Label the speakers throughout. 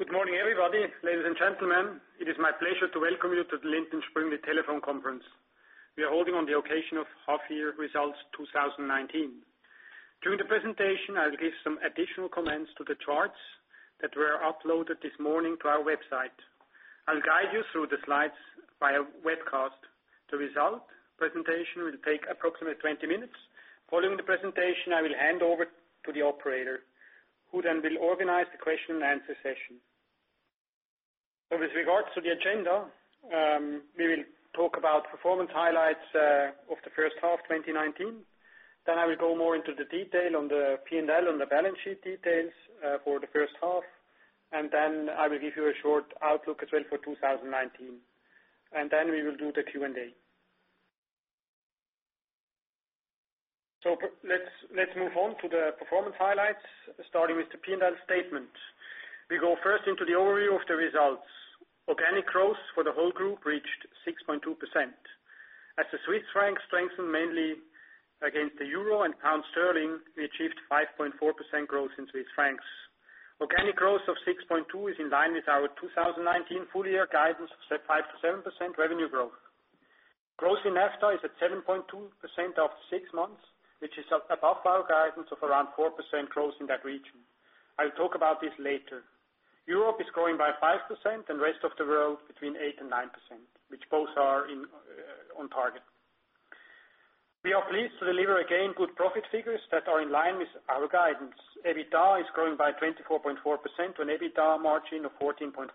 Speaker 1: Good morning, everybody. Ladies and gentlemen, it is my pleasure to welcome you to the Lindt & Sprüngli telephone conference we are holding on the occasion of half-year results 2019. During the presentation, I will give some additional comments to the charts that were uploaded this morning to our website. I will guide you through the slides via webcast. The result presentation will take approximately 20 minutes. Following the presentation, I will hand over to the operator, who then will organize the question and answer session. With regards to the agenda, we will talk about performance highlights of the first half 2019, then I will go more into the detail on the P&L, on the balance sheet details for the first half, and then I will give you a short outlook as well for 2019. Then we will do the Q&A. Let's move on to the performance highlights, starting with the P&L statement. We go first into the overview of the results. Organic growth for the whole group reached 6.2%. As the Swiss franc strengthened mainly against the euro and pound sterling, we achieved 5.4% growth in Swiss francs. Organic growth of 6.2% is in line with our 2019 full-year guidance of 5%-7% revenue growth. Growth in NAFTA is at 7.2% after six months, which is above our guidance of around 4% growth in that region. I'll talk about this later. Europe is growing by 5% and rest of the world between 8% and 9%, which both are on target. We are pleased to deliver again good profit figures that are in line with our guidance. EBITDA is growing by 24.4% on EBITDA margin of 14.4%.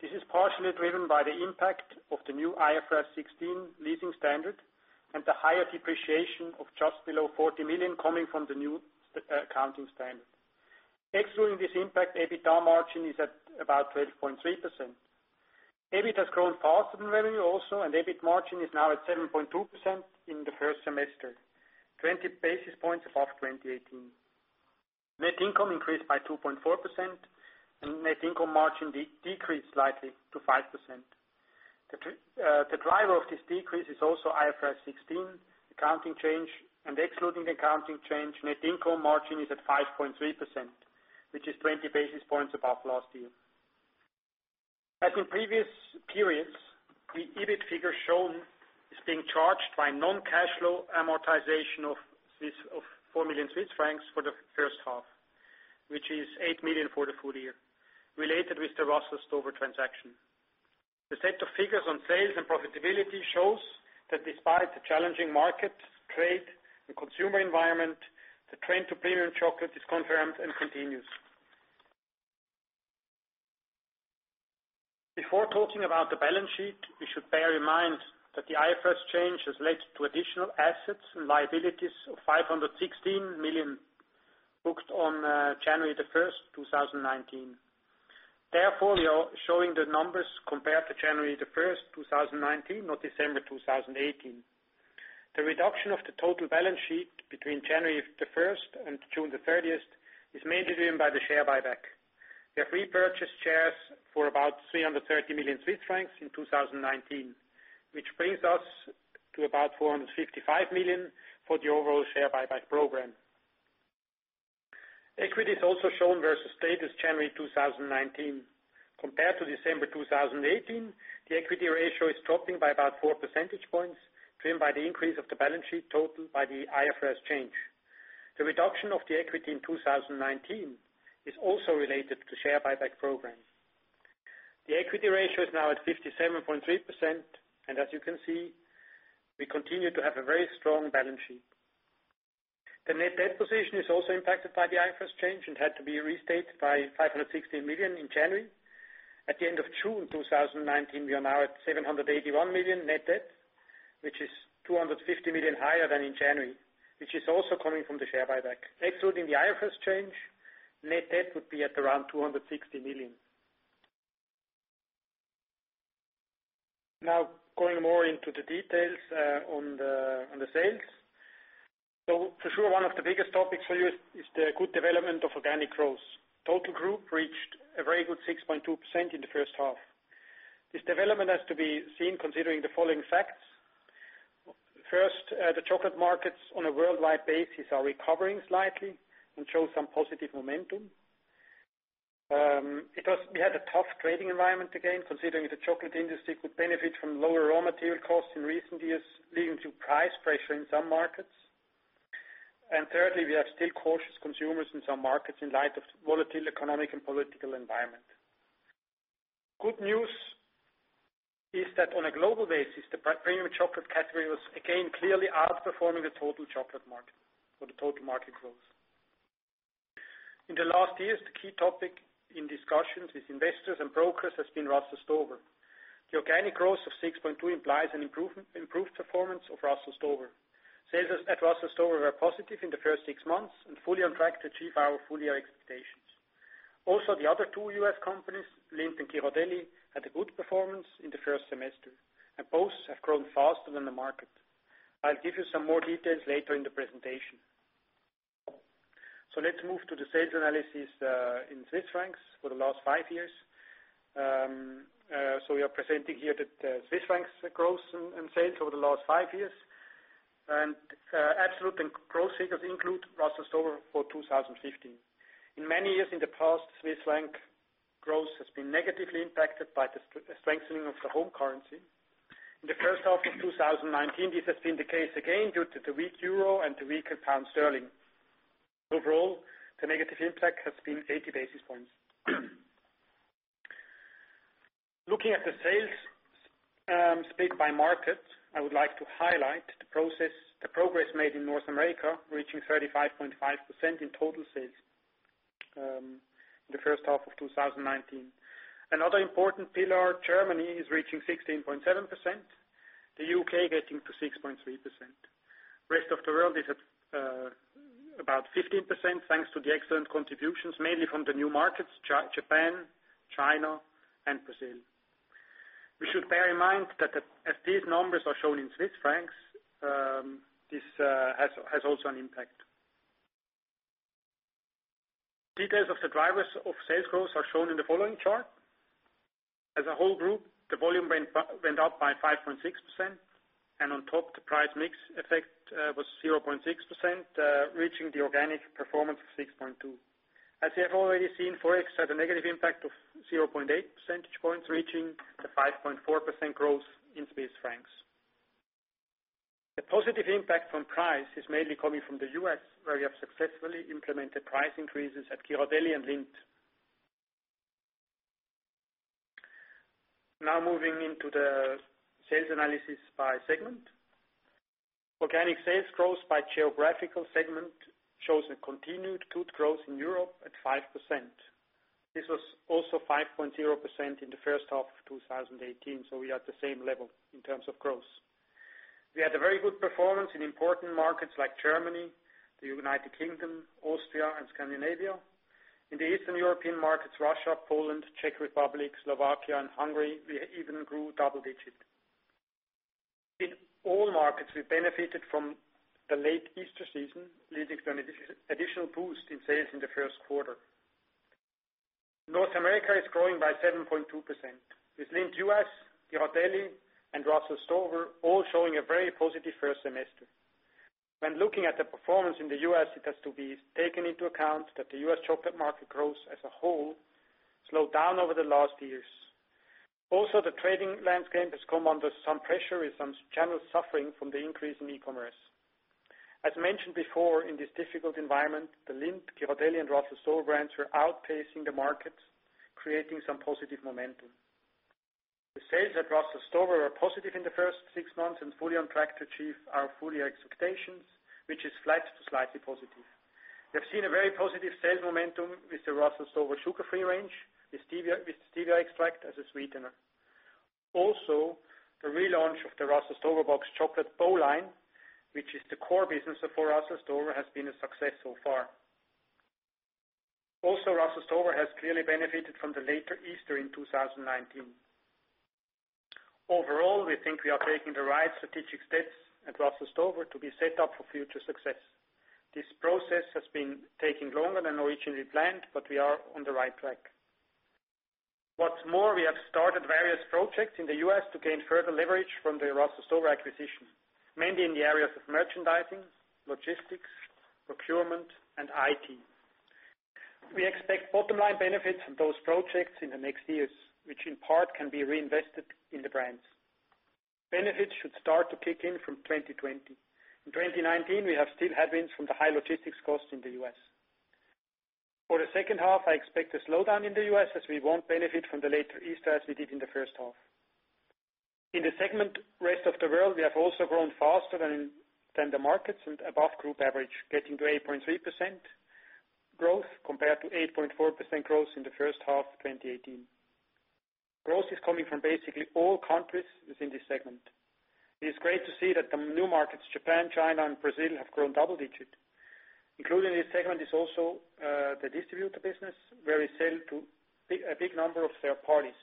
Speaker 1: This is partially driven by the impact of the new IFRS 16 leasing standard and the higher depreciation of just below 40 million coming from the new accounting standard. Excluding this impact, EBITDA margin is at about 12.3%. EBIT has grown faster than revenue also, and EBIT margin is now at 7.2% in the first semester, 20 basis points above 2018. Net income increased by 2.4%, and net income margin decreased slightly to 5%. The driver of this decrease is also IFRS 16 accounting change, and excluding the accounting change, net income margin is at 5.3%, which is 20 basis points above last year. As in previous periods, the EBIT figure shown is being charged by non-cash flow amortization of 4 million Swiss francs for the first half, which is 8 million for the full year, related with the Russell Stover transaction. The set of figures on sales and profitability shows that despite the challenging market, trade, and consumer environment, the trend to premium chocolate is confirmed and continues. Before talking about the balance sheet, we should bear in mind that the IFRS 16 change has led to additional assets and liabilities of 516 million booked on January 1st, 2019. Therefore, we are showing the numbers compared to January 1st, 2019, not December 2018. The reduction of the total balance sheet between January 1st and June 30th is mainly driven by the share buyback. We have repurchased shares for about 330 million Swiss francs in 2019, which brings us to about 455 million for the overall share buyback program. Equity is also shown versus status January 2019. Compared to December 2018, the equity ratio is dropping by about 4 percentage points, driven by the increase of the balance sheet total by the IFRS change. The reduction of the equity in 2019 is also related to share buyback program. The equity ratio is now at 57.3%. As you can see, we continue to have a very strong balance sheet. The net debt position is also impacted by the IFRS change and had to be restated by 516 million in January. At the end of June 2019, we are now at 781 million net debt, which is 250 million higher than in January, which is also coming from the share buyback. Excluding the IFRS change, net debt would be at around 260 million. Going more into the details on the sales. For sure, one of the biggest topics for you is the good development of organic growth. Total group reached a very good 6.2% in the first half. This development has to be seen considering the following facts. First, the chocolate markets on a worldwide basis are recovering slightly and show some positive momentum. We had a tough trading environment again, considering the chocolate industry could benefit from lower raw material costs in recent years, leading to price pressure in some markets. Thirdly, we have still cautious consumers in some markets in light of volatile economic and political environment. Good news is that on a global basis, the premium chocolate category was again clearly outperforming the total chocolate market for the total market growth. In the last years, the key topic in discussions with investors and brokers has been Russell Stover. The organic growth of 6.2% implies an improved performance of Russell Stover. Sales at Russell Stover were positive in the first six months and fully on track to achieve our full-year expectations. The other two U.S. companies, Lindt and Ghirardelli, had a good performance in the first semester, and both have grown faster than the market. I'll give you some more details later in the presentation. Let's move to the sales analysis in Swiss francs for the last five years. We are presenting here the Swiss francs growth in sales over the last five years. Absolute and growth figures include Russell Stover for 2015. In many years in the past, Swiss franc growth has been negatively impacted by the strengthening of the home currency. In the first half of 2019, this has been the case again due to the weak euro and the weaker pound sterling. Overall, the negative impact has been 80 basis points. Looking at the sales split by market, I would like to highlight the progress made in North America, reaching 35.5% in total sales in the first half of 2019. Another important pillar, Germany, is reaching 16.7%, the U.K. getting to 6.3%. Rest of the world is at about 15% thanks to the excellent contributions, mainly from the new markets, Japan, China, and Brazil. We should bear in mind that as these numbers are shown in Swiss francs, this has also an impact. Details of the drivers of sales growth are shown in the following chart. As a whole group, the volume went up by 5.6%, and on top, the price/mix effect was 0.6%, reaching the organic performance of 6.2%. As you have already seen, Forex had a negative impact of 0.8 percentage points, reaching the 5.4% growth in Swiss francs. The positive impact from price is mainly coming from the U.S., where we have successfully implemented price increases at Ghirardelli and Lindt. Now moving into the sales analysis by segment. Organic sales growth by geographical segment shows a continued good growth in Europe at 5%. This was also 5.0% in the first half of 2018, so we are at the same level in terms of growth. We had a very good performance in important markets like Germany, the U.K., Austria, and Scandinavia. In the Eastern European markets, Russia, Poland, Czech Republic, Slovakia, and Hungary, we even grew double digit. In all markets, we benefited from the late Easter season, leading to an additional boost in sales in the first quarter. North America is growing by 7.2%, with Lindt U.S., Ghirardelli, and Russell Stover all showing a very positive first semester. When looking at the performance in the U.S., it has to be taken into account that the U.S. chocolate market growth as a whole slowed down over the last years. The trading landscape has come under some pressure with some channels suffering from the increase in e-commerce. As mentioned before, in this difficult environment, the Lindt, Ghirardelli, and Russell Stover brands are outpacing the market, creating some positive momentum. The sales at Russell Stover are positive in the first six months and fully on track to achieve our full year expectations, which is flat to slightly positive. We have seen a very positive sales momentum with the Russell Stover sugar-free range with stevia extract as a sweetener. The relaunch of the Russell Stover box chocolate Bow Line, which is the core business for Russell Stover, has been a success so far. Also, Russell Stover has clearly benefited from the late Easter in 2019. Overall, we think we are taking the right strategic steps at Russell Stover to be set up for future success. This process has been taking longer than originally planned, but we are on the right track. What's more, we have started various projects in the U.S. to gain further leverage from the Russell Stover acquisition, mainly in the areas of merchandising, logistics, procurement, and IT. We expect bottom line benefits from those projects in the next years, which in part can be reinvested in the brands. Benefits should start to kick in from 2020. In 2019, we have still headwinds from the high logistics cost in the U.S. For the second half, I expect a slowdown in the U.S. as we won't benefit from the late Easter as we did in the first half. In the segment Rest of the World, we have also grown faster than the markets and above group average, getting to 8.3% growth compared to 8.4% growth in the first half of 2018. Growth is coming from basically all countries within this segment. It is great to see that the new markets, Japan, China, and Brazil, have grown double digit. Included in this segment is also the distributor business, where we sell to a big number of third parties,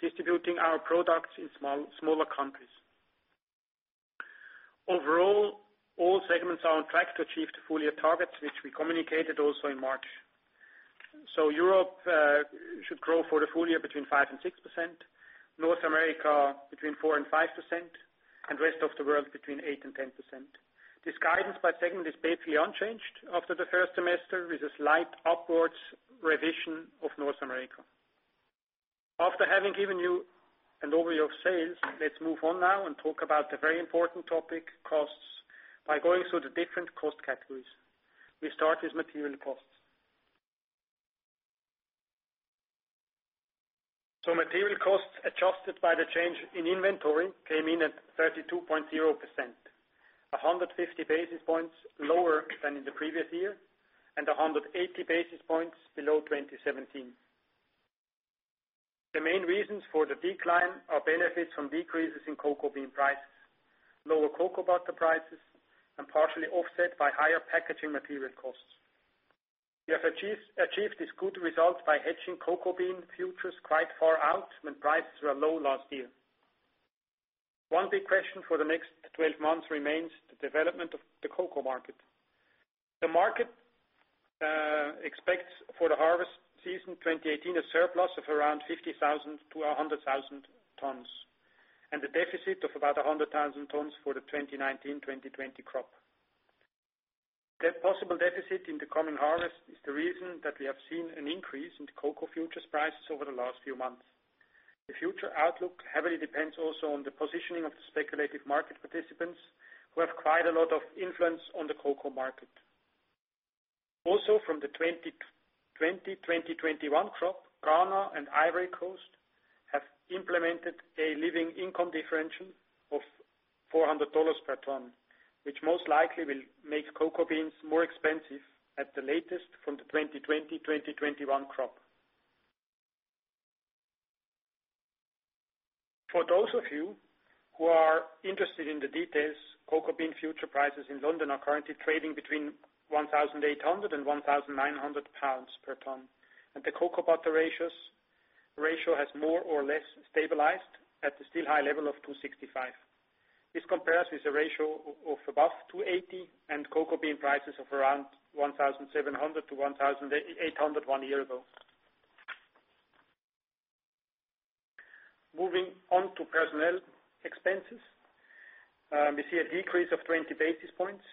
Speaker 1: distributing our products in smaller countries. Overall, all segments are on track to achieve the full year targets, which we communicated also in March. Europe should grow for the full year between 5% and 6%, North America between 4% and 5%, and Rest of the World between 8% and 10%. This guidance by segment is basically unchanged after the first semester with a slight upwards revision of North America. After having given you an overview of sales, let's move on now and talk about the very important topic, costs, by going through the different cost categories. We start with material costs. Material costs adjusted by the change in inventory came in at 32.0%, 150 basis points lower than in the previous year and 180 basis points below 2017. The main reasons for the decline are benefits from decreases in cocoa bean prices, lower cocoa butter prices, and partially offset by higher packaging material costs. We have achieved this good result by hedging cocoa bean futures quite far out when prices were low last year. One big question for the next 12 months remains the development of the cocoa market. The market expects for the harvest season 2018, a surplus of around 50,000 tons-100,000 tons, and a deficit of about 100,000 tons for the 2019/2020 crop. That possible deficit in the coming harvest is the reason that we have seen an increase in cocoa futures prices over the last few months. The future outlook heavily depends also on the positioning of the speculative market participants who have quite a lot of influence on the cocoa market. From the 2020/2021 crop, Ghana and Ivory Coast have implemented a living income differential of $400 per ton, which most likely will make cocoa beans more expensive at the latest from the 2020/2021 crop. For those of you who are interested in the details, cocoa bean future prices in London are currently trading between 1,800 and 1,900 pounds per ton, and the cocoa butter ratio has more or less stabilized at the still high level of 265. This compares with the ratio of above 280 and cocoa bean prices of around 1,700 to 1,800 one year ago. Moving on to personnel expenses. We see a decrease of 20 basis points.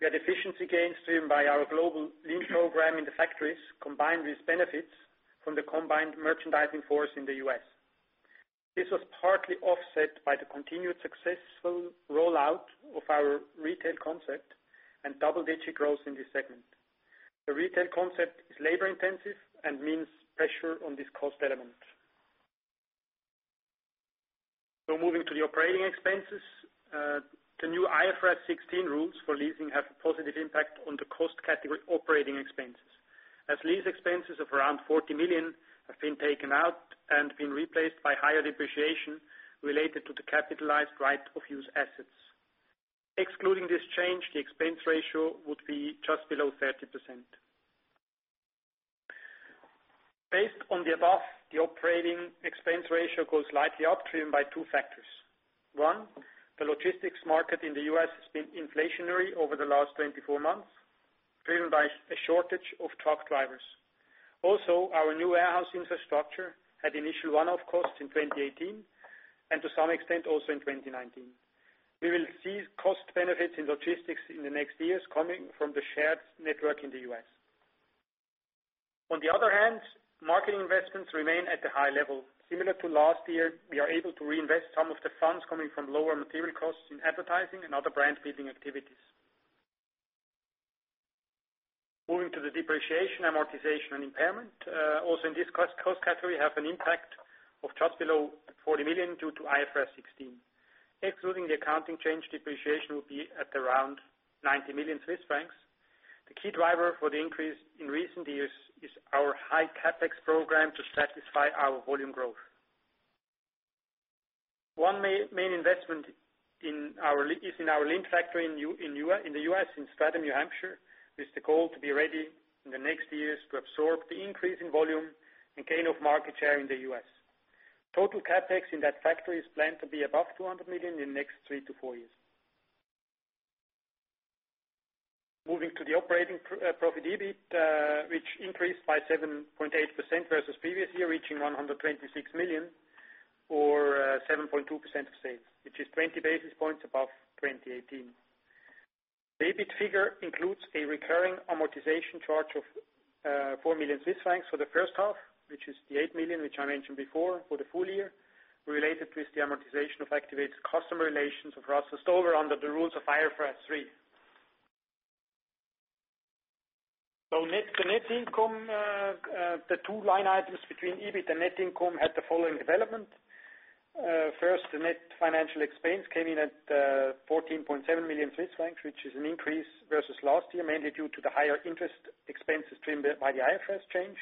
Speaker 1: We had efficiency gains driven by our global lean program in the factories, combined with benefits from the combined merchandising force in the U.S. This was partly offset by the continued successful rollout of our retail concept and double-digit growth in this segment. The retail concept is labor-intensive and means pressure on this cost element. Moving to the operating expenses. The new IFRS 16 rules for leasing have a positive impact on the cost category operating expenses, as lease expenses of around 40 million have been taken out and been replaced by higher depreciation related to the capitalized right-of-use assets. Excluding this change, the expense ratio would be just below 30%. Based on the above, the operating expense ratio goes slightly up, driven by two factors. One, the logistics market in the U.S. has been inflationary over the last 24 months, driven by a shortage of truck drivers. Our new warehouse infrastructure had initial one-off costs in 2018 and to some extent, also in 2019. We will see cost benefits in logistics in the next years coming from the shared network in the U.S. On the other hand, marketing investments remain at a high level. Similar to last year, we are able to reinvest some of the funds coming from lower material costs in advertising and other brand-building activities. Moving to the depreciation, amortization, and impairment. In this cost category, we have an impact of just below 40 million due to IFRS 16. Excluding the accounting change, depreciation will be at around 90 million Swiss francs. The key driver for the increase in recent years is our high CapEx program to satisfy our volume growth. One main investment is in our lean factory in the U.S. in Stratham, New Hampshire, with the goal to be ready in the next years to absorb the increase in volume and gain of market share in the U.S. Total CapEx in that factory is planned to be above 200 million in the next three to four years. Moving to the operating profit, EBIT, which increased by 7.8% versus previous year, reaching 126 million or 7.2% of sales, which is 20 basis points above 2018. The EBIT figure includes a recurring amortization charge of 4 million Swiss francs for the first half, which is the 8 million which I mentioned before for the full year, related with the amortization of activated customer relations with Russell Stover under the rules of IFRS 3. The net income, the two line items between EBIT and net income had the following development. First, the net financial expense came in at 14.7 million Swiss francs, which is an increase versus last year, mainly due to the higher interest expenses driven by the IFRS change,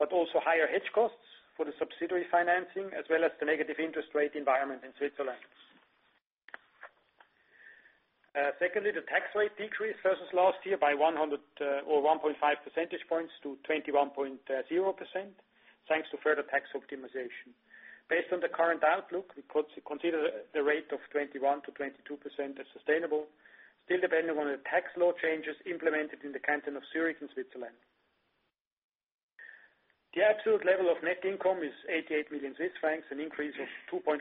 Speaker 1: but also higher hedge costs for the subsidiary financing, as well as the negative interest rate environment in Switzerland. Secondly, the tax rate decreased versus last year by 1.5 percentage points to 21.0% thanks to further tax optimization. Based on the current outlook, we consider the rate of 21%-22% as sustainable, still depending on the tax law changes implemented in the canton of Zurich in Switzerland. The absolute level of net income is 88 million Swiss francs, an increase of 2.4%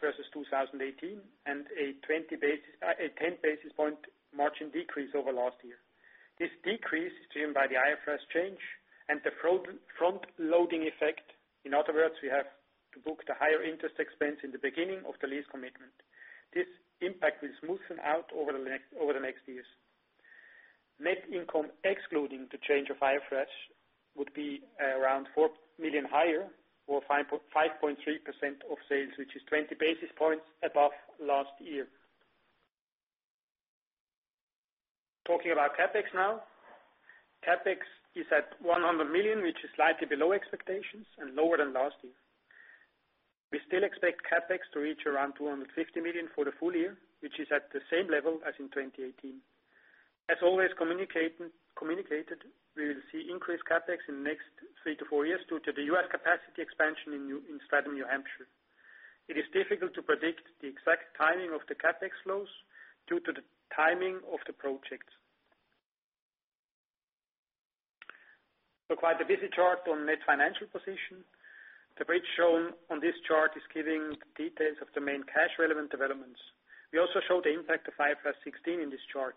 Speaker 1: versus 2018 and a 10 basis point margin decrease over last year. This decrease is driven by the IFRS change and the front-loading effect. In other words, we have to book the higher interest expense in the beginning of the lease commitment. This impact will smoothen out over the next years. Net income excluding the change of IFRS would be around 4 million higher or 5.3% of sales, which is 20 basis points above last year. Talking about CapEx now. CapEx is at 100 million, which is slightly below expectations and lower than last year. We still expect CapEx to reach around 250 million for the full year, which is at the same level as in 2018. As always communicated, we will see increased CapEx in the next three to four years due to the U.S. capacity expansion in Stratham, New Hampshire. It is difficult to predict the exact timing of the CapEx flows due to the timing of the projects. Quite a busy chart on net financial position. The bridge shown on this chart is giving the details of the main cash relevant developments. We also show the impact of IFRS 16 in this chart.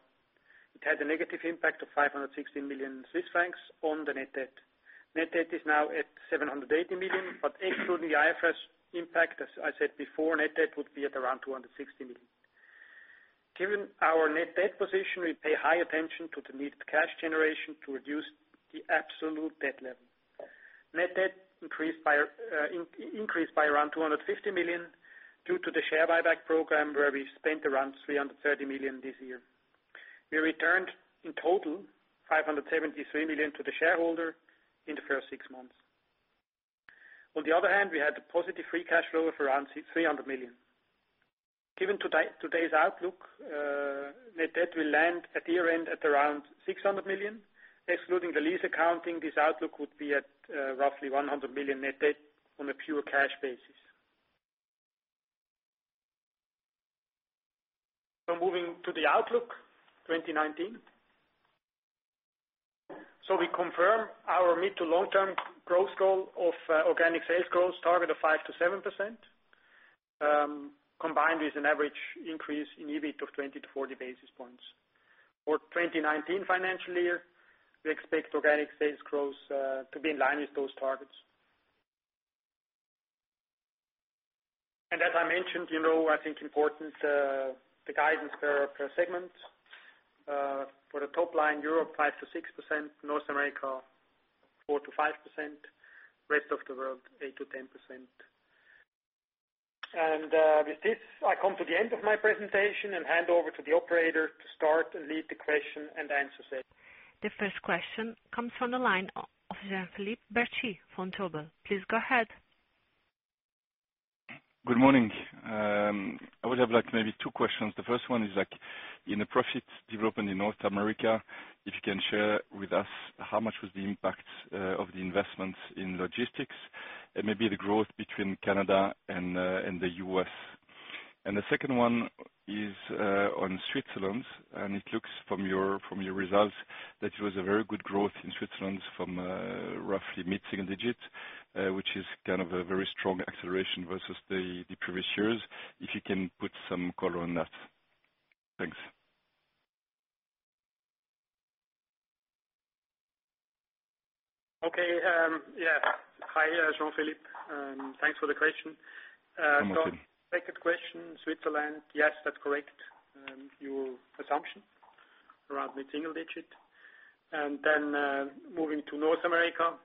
Speaker 1: It had a negative impact of 516 million Swiss francs on the net debt. Net debt is now at 780 million, but excluding the IFRS impact, as I said before, net debt would be at around 260 million. Given our net debt position, we pay high attention to the needed cash generation to reduce the absolute debt level. Net debt increased by around 250 million due to the share buyback program, where we spent around 330 million this year. We returned, in total, 573 million to the shareholder in the first six months. On the other hand, we had a positive free cash flow of around 300 million. Given today's outlook, net debt will land at year-end at around 600 million. Excluding the lease accounting, this outlook would be at roughly 100 million net debt on a pure cash basis. Moving to the outlook 2019. We confirm our mid to long-term growth goal of organic sales growth target of 5%-7%, combined with an average increase in EBIT of 20 basis points-40 basis points. For 2019 financial year, we expect organic sales growth to be in line with those targets. As I mentioned, I think important, the guidance per segment. For the top line, Europe, 5%-6%, North America, 4%-5%, rest of the world, 8%-10%. With this, I come to the end of my presentation and hand over to the operator to start and lead the question and answer set.
Speaker 2: The first question comes from the line of Jean-Philippe Bertschy from Vontobel. Please go ahead.
Speaker 3: Good morning. I would have maybe two questions. The first one is in the profit development in North America, if you can share with us, how much was the impact of the investments in logistics and maybe the growth between Canada and the U.S.? The second one is on Switzerland, and it looks from your results that it was a very good growth in Switzerland from roughly mid-single digits, which is a very strong acceleration versus the previous years. If you can put some color on that. Thanks.
Speaker 1: Okay. Yeah. Hi, Jean-Philippe. Thanks for the question.
Speaker 3: No, thank you.
Speaker 1: Second question, Switzerland. Yes, that's correct. Your assumption around mid-single digit. Moving to North America,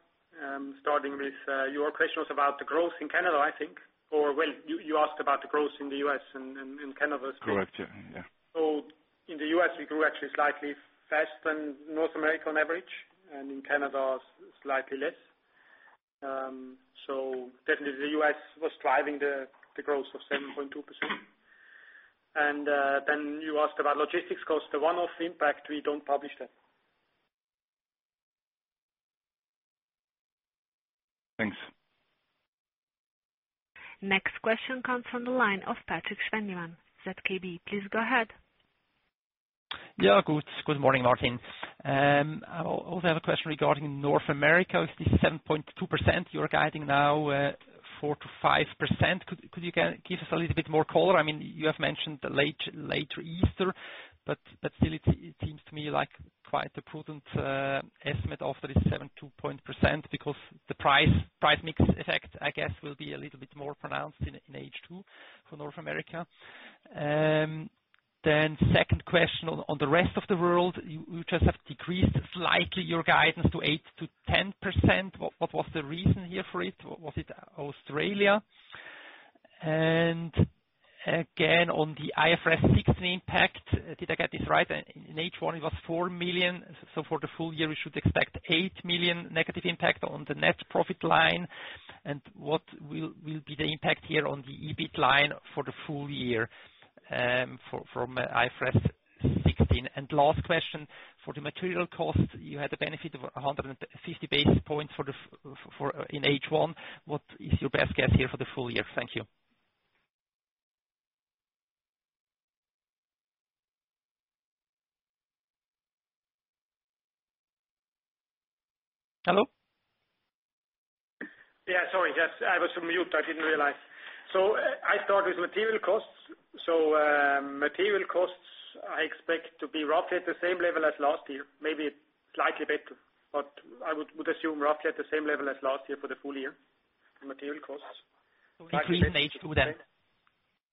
Speaker 1: starting with your question was about the growth in Canada, I think, or, well, you asked about the growth in the U.S. and Canada.
Speaker 3: Correct. Yeah.
Speaker 1: In the U.S., we grew actually slightly faster than North America on average, and in Canada, slightly less. Definitely the U.S. was driving the growth of 7.2%. You asked about logistics cost, the one-off impact, we don't publish that.
Speaker 3: Thanks.
Speaker 2: Next question comes from the line of Patrik Schwendimann, ZKB. Please go ahead.
Speaker 4: Yeah, good. Good morning, Martin. I also have a question regarding North America. With this 7.2%, you are guiding now 4%-5%. Could you give us a little bit more color? You have mentioned later Easter, but still it seems to me like quite a prudent estimate of this 7.2% because the price/mix effect, I guess, will be a little bit more pronounced in H2 for North America. Second question on the rest of the world, you just have decreased slightly your guidance to 8%-10%. What was the reason here for it? Was it Australia? Again, on the IFRS 16 impact, did I get this right? In H1, it was 4 million. For the full year, we should expect 8 million negative impact on the net profit line. What will be the impact here on the EBIT line for the full year from IFRS 16? Last question, for the material cost, you had the benefit of 150 basis points in H1. What is your best guess here for the full year? Thank you. Hello?
Speaker 1: Yeah, sorry. Yes, I was on mute. I didn't realize. I start with material costs. Material costs, I expect to be roughly at the same level as last year, maybe slightly better, but I would assume roughly at the same level as last year for the full year, the material costs.
Speaker 4: Decrease in H2 then.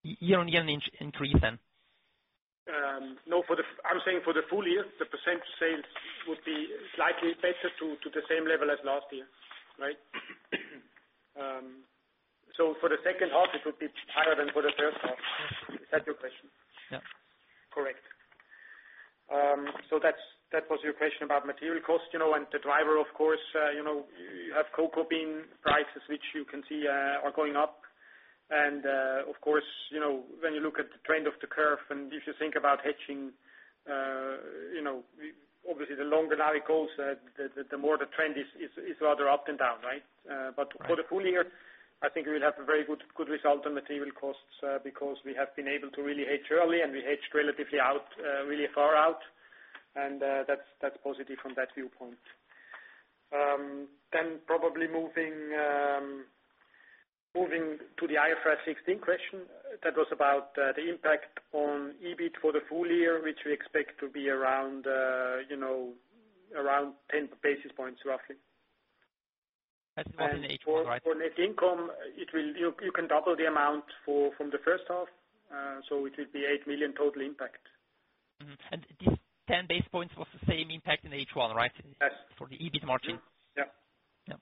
Speaker 4: Year-on-year increase then?
Speaker 1: No, I'm saying for the full year, the percent sales would be slightly better to the same level as last year. Right? For the second half, it would be higher than for the first half. Is that your question?
Speaker 4: Yeah.
Speaker 1: Correct. That was your question about material cost. The driver, of course, you have cocoa bean prices, which you can see are going up. Of course, when you look at the trend of the curve, and if you think about hedging, obviously, the longer the lag goes, the more the trend is rather up and down, right?
Speaker 4: Right.
Speaker 1: For the full year, I think we will have a very good result on material costs because we have been able to really hedge early, and we hedged relatively far out. That's positive from that viewpoint. Probably moving to the IFRS 16 question. That was about the impact on EBIT for the full year, which we expect to be around 10 basis points roughly.
Speaker 4: That's about an H1, right?
Speaker 1: For net income, you can double the amount from the first half. It will be 8 million total impact.
Speaker 4: This 10 basis points was the same impact in H1, right?
Speaker 1: Yes.
Speaker 4: For the EBIT margin.
Speaker 1: Yeah.
Speaker 4: Yeah.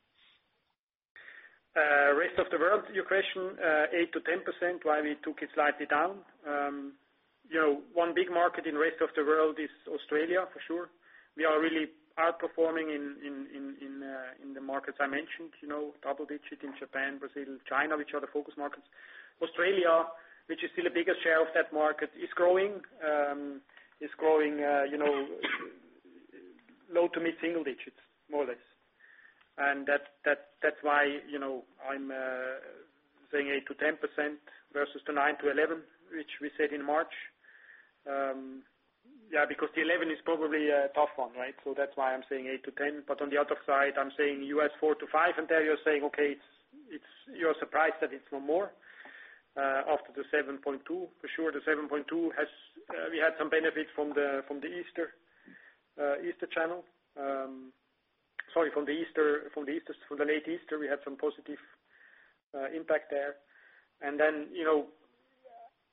Speaker 1: Rest of the world, your question, 8%-10%, why we took it slightly down. One big market in rest of the world is Australia, for sure. We are really outperforming in the markets I mentioned. Double digits in Japan, Brazil, China, which are the focus markets. Australia, which is still a bigger share of that market, is growing low to mid single digits, more or less. That's why I'm saying 8%-10% versus the 9%-11%, which we said in March. Yeah, because the 11% is probably a tough one, right? That's why I'm saying 8%-10%. On the other side, I'm saying U.S., 4%-5%, and there you're saying, okay, you're surprised that it's no more after the 7.2%. For sure, the 7.2%, we had some benefit from the late Easter, we had some positive impact there.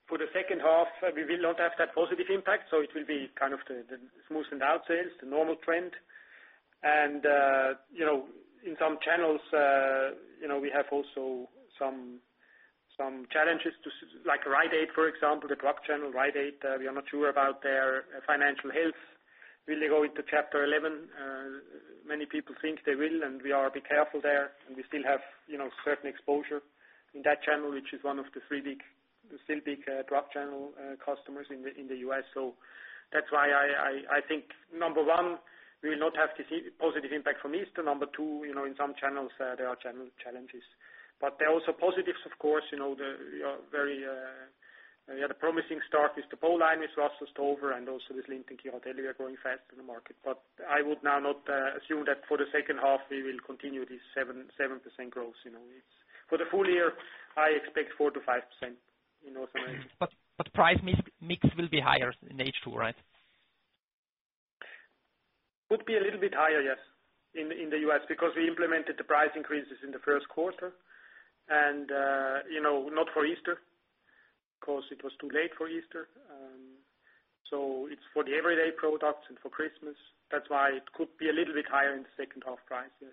Speaker 1: For the second half, we will not have that positive impact. It will be the smoothen out sales, the normal trend. In some channels we have also some challenges to, like Rite Aid, for example, the drug channel. Rite Aid, we are not sure about their financial health. Will they go into Chapter 11? Many people think they will, and we are a bit careful there. We still have certain exposure in that channel, which is one of the still big drug channel customers in the U.S. That's why I think, number one, we will not have the positive impact from Easter. Number two, in some channels, there are challenges. There are also positives, of course. We had a promising start with the Bow Line with Russell Stover and also with Lindt & Sprüngli are growing fast in the market. I would now not assume that for the second half, we will continue this 7% growth. For the full year, I expect 4%-5% in North America.
Speaker 4: Price mix will be higher in H2, right?
Speaker 1: Could be a little bit higher, yes, in the U.S., because we implemented the price increases in the first quarter, and not for Easter because it was too late for Easter. It's for the everyday products and for Christmas. That's why it could be a little bit higher in the second half prices.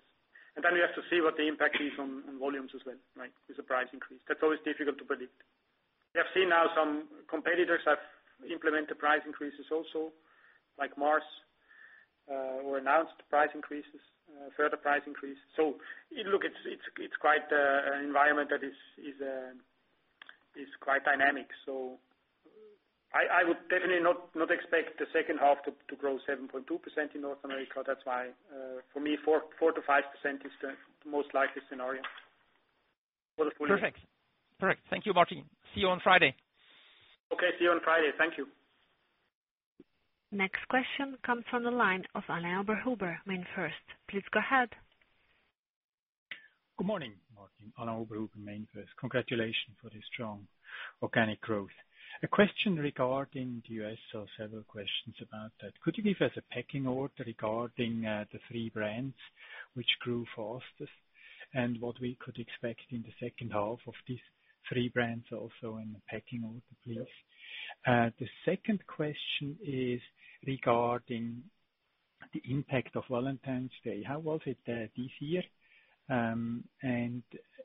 Speaker 1: We have to see what the impact is on volumes as well, with the price increase. That's always difficult to predict. We have seen now some competitors have implemented price increases also, like Mars, or announced further price increase. Look, it's quite an environment that is quite dynamic. I would definitely not expect the second half to grow 7.2% in North America. That's why, for me, 4%-5% is the most likely scenario for the full year.
Speaker 4: Perfect. Thank you, Martin. See you on Friday.
Speaker 1: Okay. See you on Friday. Thank you.
Speaker 2: Next question comes from the line of Alain Oberhuber, MainFirst. Please go ahead.
Speaker 5: Good morning, Martin. Alain Oberhuber, MainFirst. Congratulations for the strong organic growth. A question regarding the U.S., or several questions about that. Could you give us a pecking order regarding the three brands which grew fastest, and what we could expect in the second half of these three brands, also in the pecking order, please? The second question is regarding the impact of Valentine's Day. How was it there this year?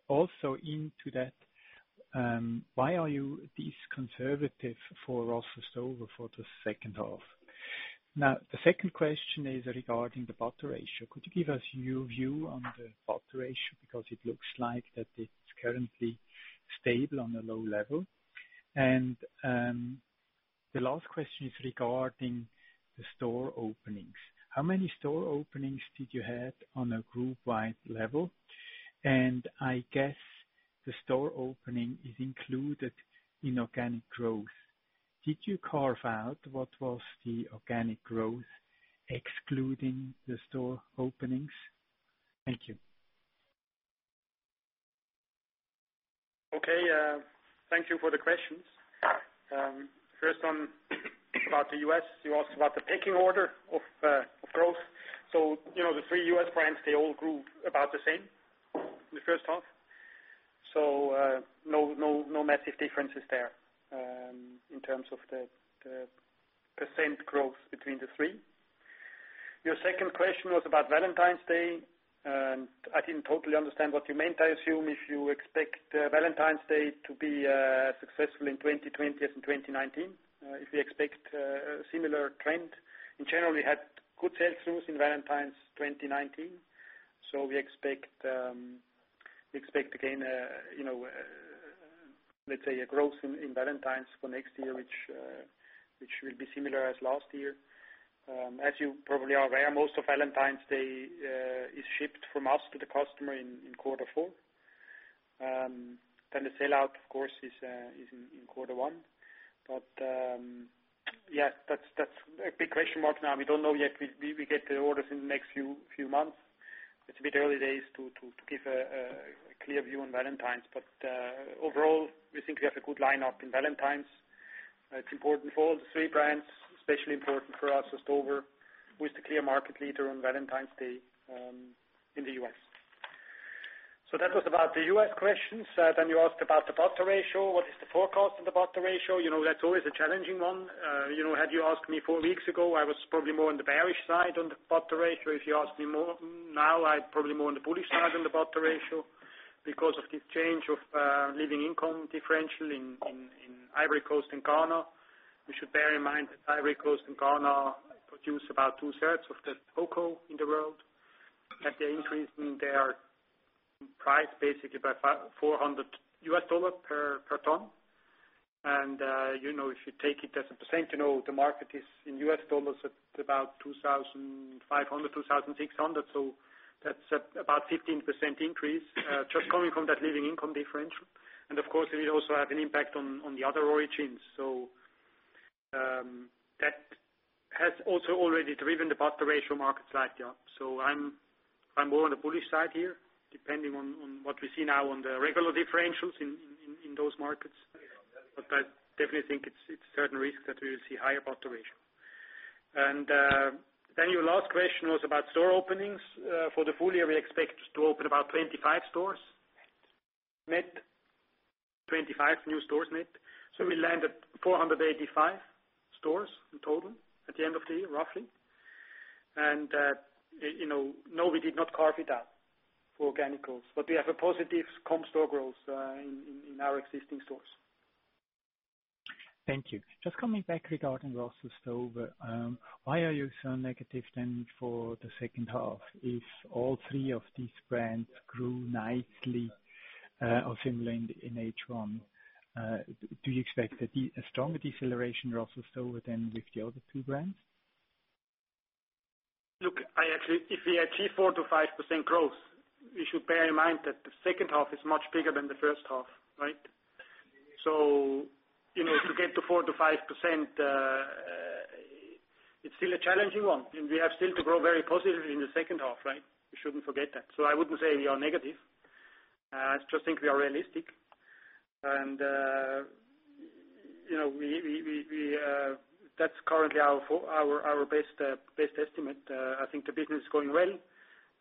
Speaker 5: Also into that, why are you this conservative for Russell Stover for the second half? Now, the second question is regarding the butter ratio. Could you give us your view on the butter ratio? It looks like that it's currently stable on a low level. The last question is regarding the store openings. How many store openings did you have on a group-wide level? I guess the store opening is included in organic growth. Did you carve out what was the organic growth excluding the store openings? Thank you.
Speaker 1: Okay. Thank you for the questions. First on about the U.S., you asked about the pecking order of growth. The three U.S. brands, they all grew about the same in the first half. No massive differences there in terms of the percent growth between the three. Your second question was about Valentine's Day, and I didn't totally understand what you meant. I assume if you expect Valentine's Day to be as successful in 2020 as in 2019. If we expect a similar trend. In general, we had good sales growth in Valentine's 2019. We expect again a growth in Valentine's for next year, which will be similar as last year. As you probably are aware, most of Valentine's Day is shipped from us to the customer in quarter four. The sellout, of course, is in quarter one. Yeah, that's a big question mark now. We don't know yet. We get the orders in the next few months. It's a bit early days to give a clear view on Valentine's. Overall, we think we have a good lineup in Valentine's. It's important for all the three brands, especially important for us as Tobler, who is the clear market leader on Valentine's Day in the U.S. That was about the U.S. questions. You asked about the butter ratio. What is the forecast on the butter ratio? That's always a challenging one. Had you asked me four weeks ago, I was probably more on the bearish side on the butter ratio. If you ask me now, I'm probably more on the bullish side on the butter ratio because of the change of living income differential in Ivory Coast and Ghana. You should bear in mind that Ivory Coast and Ghana produce about two-thirds of the cocoa in the world. They are increasing their price basically by $400 per ton. If you take it as a percent of the market is in US dollars at about $2,500-$2,600. That's about 15% increase just coming from that living income differential. Of course, it will also have an impact on the other origins. That has also already driven the cocoa butter ratio market slightly up. I'm more on the bullish side here, depending on what we see now on the regular differentials in those markets. I definitely think it's a certain risk that we will see higher cocoa butter ratio. Your last question was about store openings. For the full year, we expect to open about 25 stores. Net. 25 new stores net. We land at 485 stores in total at the end of the year, roughly. No, we did not carve it out for organicals, but we have a positive comp store growth in our existing stores.
Speaker 5: Thank you. Just coming back regarding Russell Stover, why are you so negative then for the second half if all three of these brands grew nicely or similarly in H1? Do you expect a stronger deceleration Russell Stover than with the other two brands?
Speaker 1: Look, if we achieve 4%-5% growth, you should bear in mind that the second half is much bigger than the first half, right? To get to 4%-5%, it's still a challenging one. We have still to grow very positively in the second half, right? We shouldn't forget that. I wouldn't say we are negative. I just think we are realistic. That's currently our best estimate. I think the business is going well.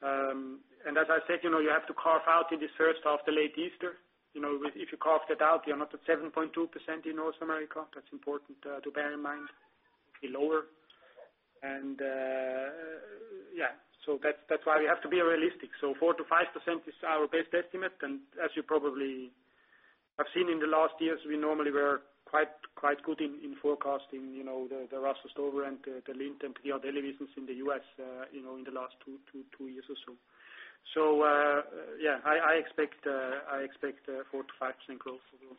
Speaker 1: As I said, you have to carve out in this first half the late Easter. If you carved it out, you're not at 7.2% in North America. That's important to bear in mind. Be lower. Yeah, that's why we have to be realistic. 4%-5% is our best estimate. As you probably have seen in the last years, we normally were quite good in forecasting the Russell Stover and the Lindt & Sprüngli businesses in the U.S. in the last two years or so. Yeah, I expect 4%-5% growth as well.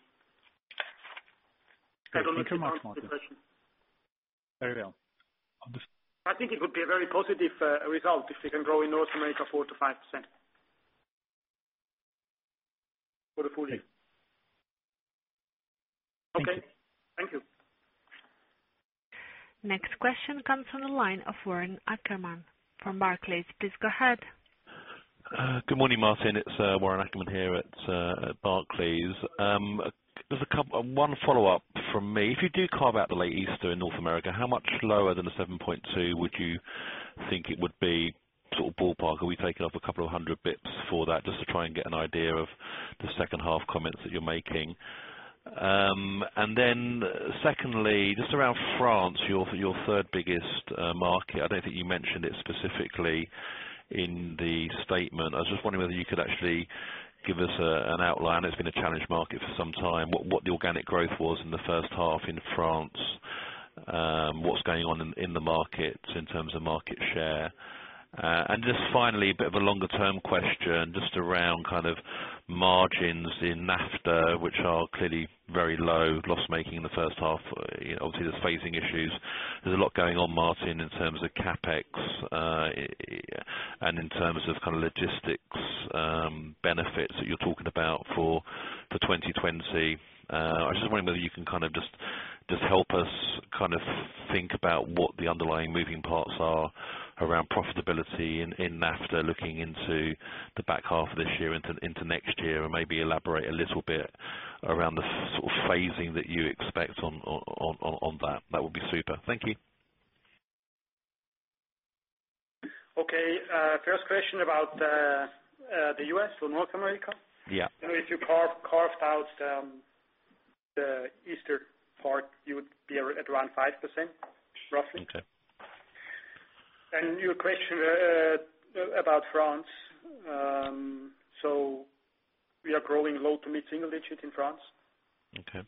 Speaker 5: Okay. Thank you very much, Martin.
Speaker 1: I don't know if you answered the question.
Speaker 5: Very well.
Speaker 1: I think it would be a very positive result if we can grow in North America 4%-5% for the full year.
Speaker 5: Thank you.
Speaker 1: Okay. Thank you.
Speaker 2: Next question comes from the line of Warren Ackerman from Barclays. Please go ahead.
Speaker 6: Good morning, Martin. It's Warren Ackerman here at Barclays. There's one follow-up from me. If you do carve out the late Easter in North America, how much lower than the 7.2% would you think it would be sort of ballpark? Are we taking off a couple of 100 basis points for that just to try and get an idea of the second half comments that you're making? Secondly, just around France, your third biggest market. I don't think you mentioned it specifically in the statement. I was just wondering whether you could actually give us an outline. It's been a challenge market for some time. What the organic growth was in the first half in France? What's going on in the market in terms of market share? Just finally, a bit of a longer-term question just around margins in NAFTA, which are clearly very low, loss-making in the first half. Obviously, there's phasing issues. There's a lot going on, Martin, in terms of CapEx, and in terms of logistics benefits that you're talking about for 2020. I just wonder whether you can just help us think about what the underlying moving parts are around profitability in NAFTA, looking into the back half of this year into next year, and maybe elaborate a little bit around the sort of phasing that you expect on that. That would be super. Thank you.
Speaker 1: Okay. First question about the U.S. or North America.
Speaker 6: Yeah.
Speaker 1: If you carved out the Easter part, you would be around 5%, roughly.
Speaker 6: Okay.
Speaker 1: Your question about France. We are growing low to mid-single digit in France.
Speaker 6: Okay.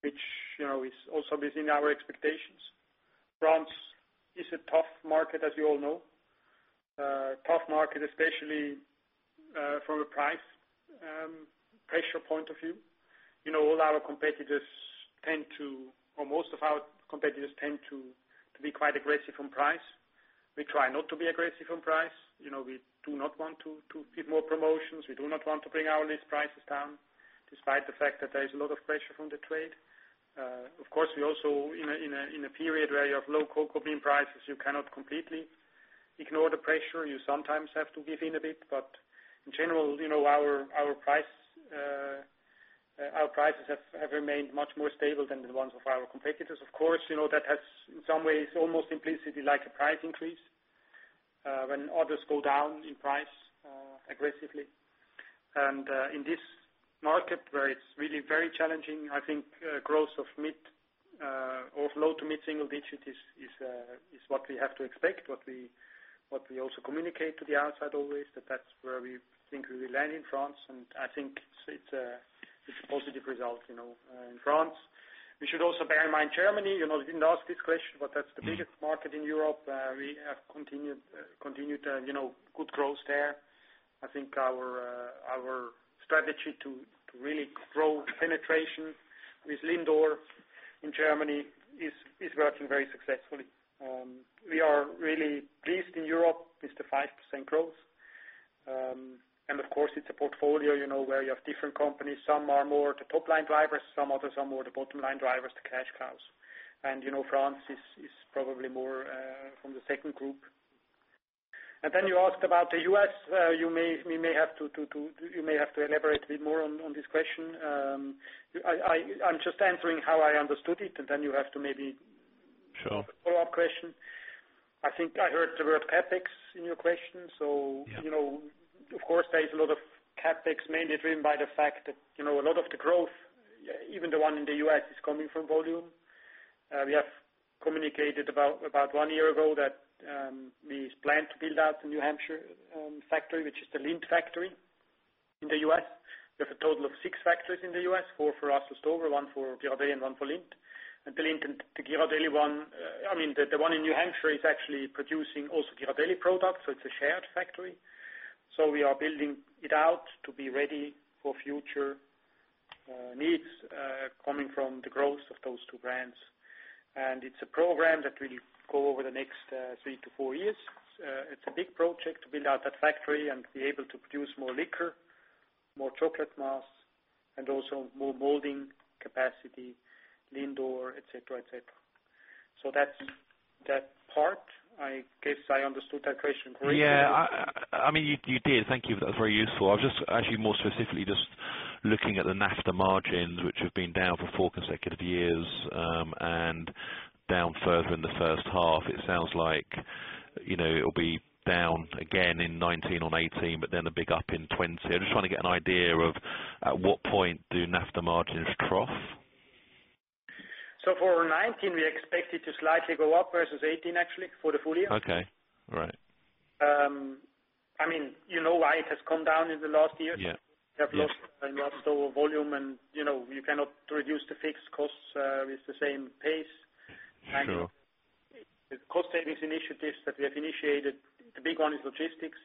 Speaker 1: Which is also within our expectations. France is a tough market, as you all know. A tough market, especially from a price pressure point of view. All our competitors tend to, or most of our competitors tend to be quite aggressive on price. We try not to be aggressive on price. We do not want to give more promotions. We do not want to bring our list prices down, despite the fact that there is a lot of pressure from the trade. Of course, we also, in a period where you have low cocoa bean prices, you cannot completely ignore the pressure. You sometimes have to give in a bit, but in general, our prices have remained much more stable than the ones of our competitors. Of course, that has, in some ways, almost implicitly like a price increase when others go down in price aggressively. In this market where it's really very challenging, I think growth of low-to-mid single digit is what we have to expect, what we also communicate to the outside always. That's where we think we will land in France, and I think it's a positive result in France. We should also bear in mind Germany, you didn't ask this question, but that's the biggest market in Europe. I think our strategy to really grow penetration with LINDOR in Germany is working very successfully. We are really pleased in Europe with the 5% growth. Of course, it's a portfolio, where you have different companies. Some are more the top-line drivers, some others are more the bottom-line drivers, the cash cows. France is probably more from the second group. Then you asked about the U.S. You may have to elaborate a bit more on this question. I'm just answering how I understood it, and then you have to maybe.
Speaker 6: Sure
Speaker 1: follow-up question. I think I heard the word CapEx in your question.
Speaker 6: Yeah.
Speaker 1: Of course, there is a lot of CapEx, mainly driven by the fact that a lot of the growth, even the one in the U.S., is coming from volume. We have communicated about one year ago that we plan to build out the New Hampshire factory, which is the Lindt factory in the U.S. We have a total of six factories in the U.S., four for us, as Stover, one for Ghirardelli, and one for Lindt. The Lindt and the Ghirardelli one, the one in New Hampshire is actually producing also Ghirardelli products, so it's a shared factory. We are building it out to be ready for future needs coming from the growth of those two brands. It's a program that will go over the next three to four years. It's a big project to build out that factory and be able to produce more liquor, more chocolate mass, and also more molding capacity, LINDOR, et cetera. That part, I guess I understood that question correctly.
Speaker 6: Yeah. You did. Thank you. That was very useful. I was just actually more specifically just looking at the NAFTA margins, which have been down for four consecutive years, and down further in the first half. It sounds like it will be down again in 2019 on 2018, but then a big up in 2020. I'm just trying to get an idea of at what point do NAFTA margins cross?
Speaker 1: For 2019, we expect it to slightly go up versus 2018, actually, for the full year.
Speaker 6: Okay. Right.
Speaker 1: You know why it has come down in the last years?
Speaker 6: Yeah.
Speaker 1: We have lost Stover volume, and you cannot reduce the fixed costs with the same pace.
Speaker 6: Sure.
Speaker 1: The cost savings initiatives that we have initiated, the big one is logistics.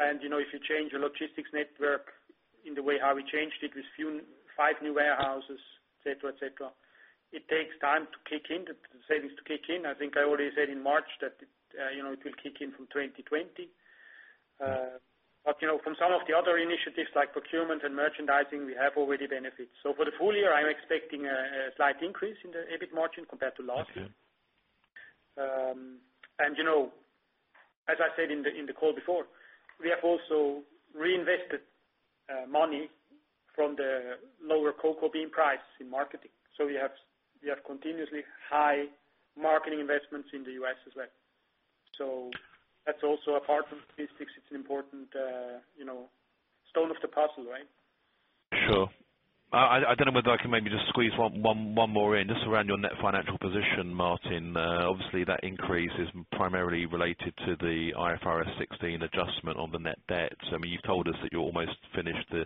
Speaker 1: If you change a logistics network in the way how we changed it with five new warehouses, et cetera, it takes time to kick in, the savings to kick in. I think I already said in March that it will kick in from 2020. From some of the other initiatives like procurement and merchandising, we have already benefits. For the full year, I am expecting a slight increase in the EBIT margin compared to last year.
Speaker 6: Okay.
Speaker 1: As I said in the call before, we have also reinvested money from the lower cocoa bean price in marketing. We have continuously high marketing investments in the U.S. as well. That's also a part of logistics. It's an important stone of the puzzle, right?
Speaker 6: Sure. I don't know whether I can maybe just squeeze one more in, just around your net financial position, Martin. Obviously, that increase is primarily related to the IFRS 16 adjustment on the net debt. You told us that you're almost finished the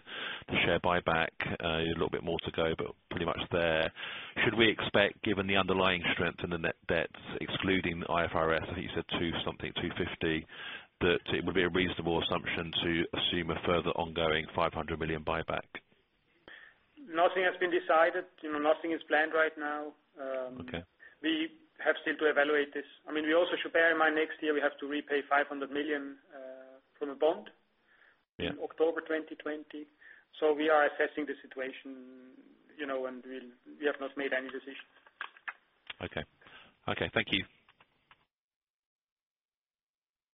Speaker 6: share buyback, a little bit more to go, but pretty much there. Should we expect, given the underlying strength in the net debt, excluding the IFRS, I think you said two something, 250 million, that it would be a reasonable assumption to assume a further ongoing 500 million buyback?
Speaker 1: Nothing has been decided. Nothing is planned right now.
Speaker 6: Okay.
Speaker 1: We have still to evaluate this. We also should bear in mind next year we have to repay 500 million from a bond.
Speaker 6: Yeah
Speaker 1: in October 2020. We are assessing the situation, and we have not made any decisions.
Speaker 6: Okay. Thank you.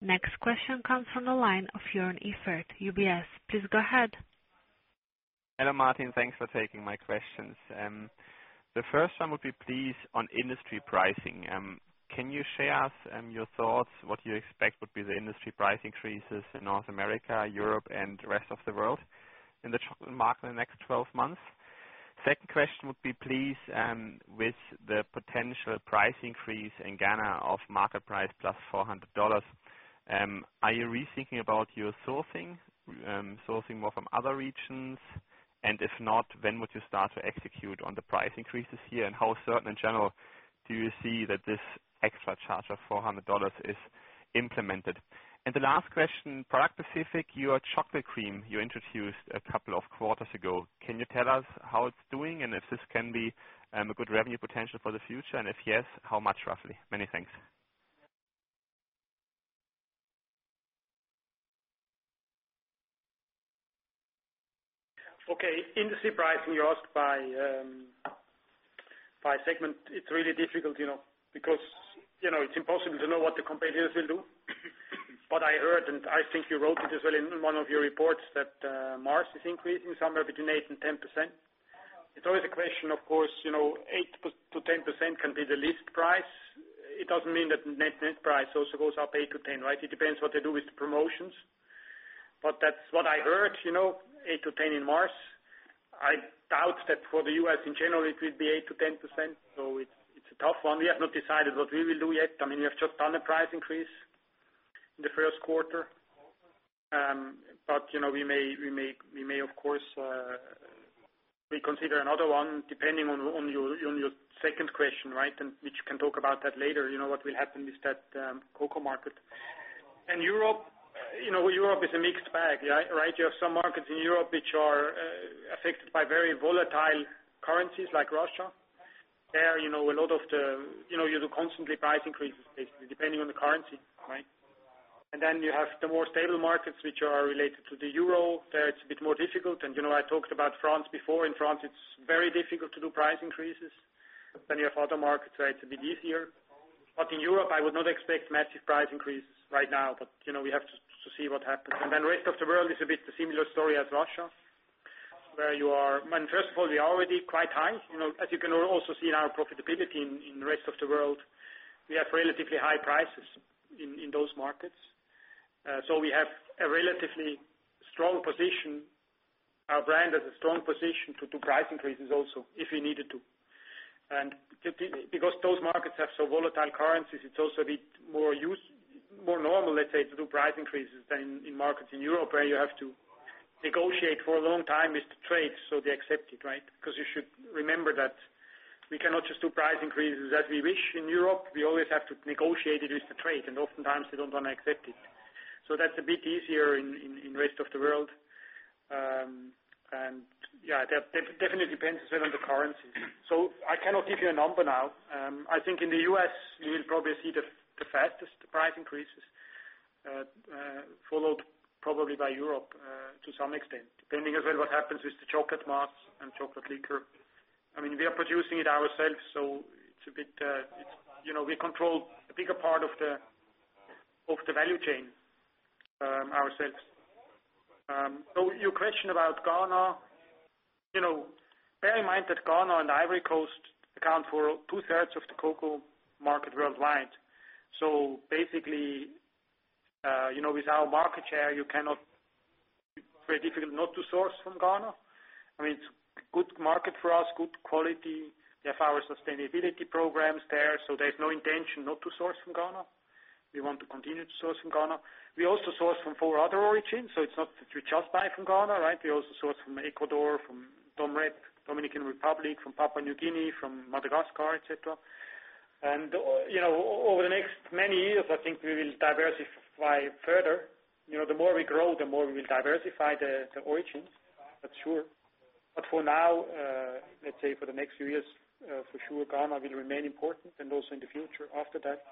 Speaker 2: Next question comes from the line of Joern Iffert, UBS. Please go ahead.
Speaker 7: Hello, Martin. Thanks for taking my questions. The first one would be, please, on industry pricing. Can you share your thoughts, what you expect would be the industry price increases in North America, Europe, and the rest of the world in the chocolate market in the next 12 months? Second question would be, please, with the potential price increase in Ghana of market price $400+, are you rethinking about your sourcing more from other regions? If not, when would you start to execute on the price increases here, and how certain in general do you see that this extra charge of $400 is implemented? The last question, product specific, your chocolate cream you introduced a couple of quarters ago. Can you tell us how it's doing and if this can be a good revenue potential for the future? If yes, how much, roughly? Many thanks.
Speaker 1: Okay. Industry pricing you asked by segment. It's really difficult, because it's impossible to know what the competitors will do. I heard, and I think you wrote it as well in one of your reports that, Mars is increasing somewhere between 8% and 10%. It's always a question, of course, 8%-10% can be the list price. It doesn't mean that net price also goes up 8%-10%, right? It depends what they do with the promotions. That's what I heard, 8%-10% in Mars. I doubt that for the U.S. in general, it will be 8%-10%, it's a tough one. We have not decided what we will do yet. I mean, we have just done a price increase in the first quarter. We may, of course, reconsider another one depending on your second question, right? Which you can talk about that later, what will happen with that cocoa market. Europe is a mixed bag, right? You have some markets in Europe which are affected by very volatile currencies like Russia. There, you do constant price increases, basically, depending on the currency, right? You have the more stable markets, which are related to the euro. There, it's a bit more difficult. I talked about France before. In France, it's very difficult to do price increases. You have other markets where it's a bit easier. In Europe, I would not expect massive price increase right now. We have to see what happens. Rest of the World is a bit similar story as Russia. First of all, we are already quite high. As you can also see in our profitability in the rest of the world, we have relatively high prices in those markets. We have a relatively strong position. Our brand has a strong position to do price increases also if we needed to. Because those markets have so volatile currencies, it's also a bit more normal, let's say, to do price increases than in markets in Europe where you have to negotiate for a long time with the trade so they accept it, right? Because you should remember that we cannot just do price increases as we wish in Europe. We always have to negotiate it with the trade, and oftentimes they don't want to accept it. That's a bit easier in rest of the world. That definitely depends as well on the currency. I cannot give you a number now. I think in the U.S., you'll probably see the fastest price increases, followed probably by Europe, to some extent, depending as well what happens with the chocolate mass and chocolate liquor. I mean, we are producing it ourselves, we control a bigger part of the value chain ourselves. Your question about Ghana, bear in mind that Ghana and Ivory Coast account for two-thirds of the cocoa market worldwide. Basically, with our market share, it's very difficult not to source from Ghana. I mean, it's a good market for us, good quality. We have our sustainability programs there's no intention not to source from Ghana. We want to continue to source from Ghana. We also source from four other origins, it's not that we just buy from Ghana, right? We also source from Ecuador, from Dom Rep, Dominican Republic, from Papua New Guinea, from Madagascar, et cetera. Over the next many years, I think we will diversify further. The more we grow, the more we will diversify the origins. That's sure. For now, let's say for the next few years, for sure, Ghana will remain important and also in the future after that.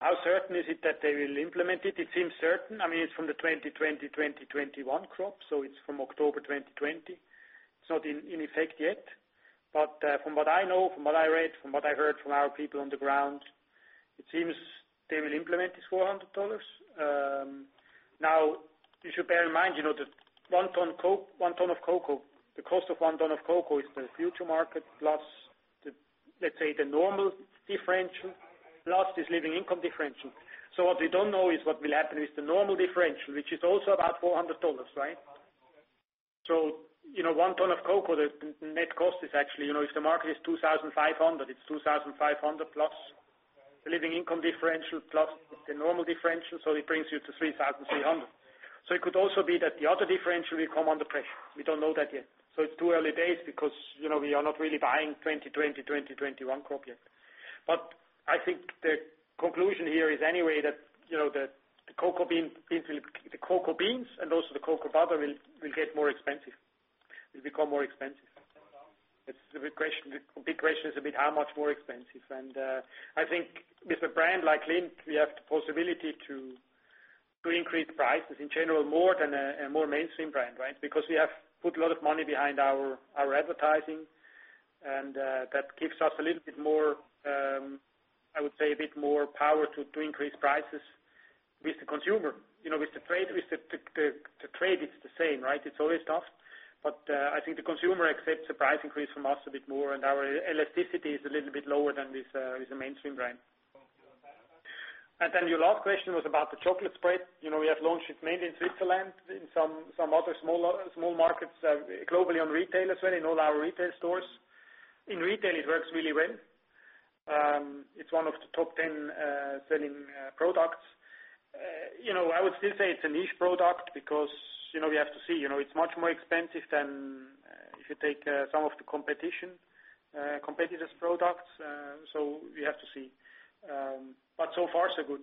Speaker 1: How certain is it that they will implement it? It seems certain. I mean, it's from the 2020/2021 crop, it's from October 2020. It's not in effect yet. From what I know, from what I read, from what I heard from our people on the ground, it seems they will implement this $400. You should bear in mind, the cost of one ton of cocoa is the future market plus, let's say the normal differential, plus this living income differential. What we don't know is what will happen with the normal differential, which is also about $400, right? One ton of cocoa, the net cost is actually, if the market is 2,500, it's 2,500+ the living income differential plus the normal differential, it brings you to 3,300. It could also be that the other differential will come under pressure. We don't know that yet. It's too early days because we are not really buying 2020/2021 crop yet. I think the conclusion here is anyway that the cocoa beans and also the cocoa butter will get more expensive. Will become more expensive. The big question is a bit how much more expensive? I think with a brand like Lindt, we have the possibility to increase prices in general more than a more mainstream brand, right? We have put a lot of money behind our advertising, that gives us a little bit more, I would say a bit more power to increase prices with the consumer. With the trade it's the same, right? It's always tough, I think the consumer accepts a price increase from us a bit more and our elasticity is a little bit lower than with a mainstream brand. Your last question was about the chocolate spread. We have launched it mainly in Switzerland, in some other small markets, globally on retail as well, in all our retail stores. In retail, it works really well. It's one of the top 10 selling products. I would still say it's a niche product because we have to see. It's much more expensive than if you take some of the competitor's products, we have to see. So far so good.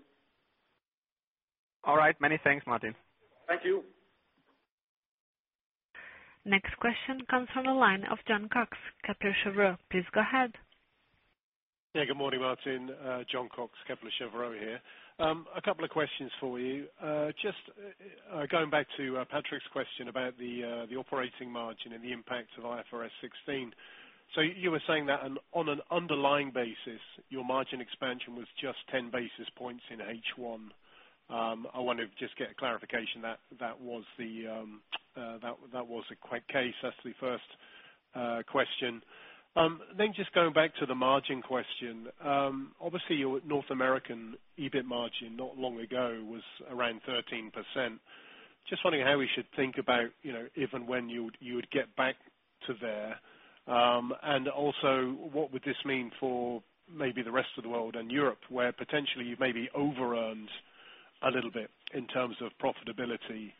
Speaker 7: All right. Many thanks, Martin.
Speaker 1: Thank you.
Speaker 2: Next question comes from the line of Jon Cox, Kepler Cheuvreux. Please go ahead.
Speaker 8: Good morning, Martin. Jon Cox, Kepler Cheuvreux here. A couple of questions for you. Just going back to Patrik's question about the operating margin and the impact of IFRS 16. You were saying that on an underlying basis, your margin expansion was just 10 basis points in H1. I want to just get clarification that was the case. That's the first question. Just going back to the margin question. Obviously, your North American EBIT margin not long ago was around 13%. Just wondering how we should think about if and when you would get back to there. Also, what would this mean for maybe the rest of the world and Europe, where potentially you maybe over-earned a little bit in terms of profitability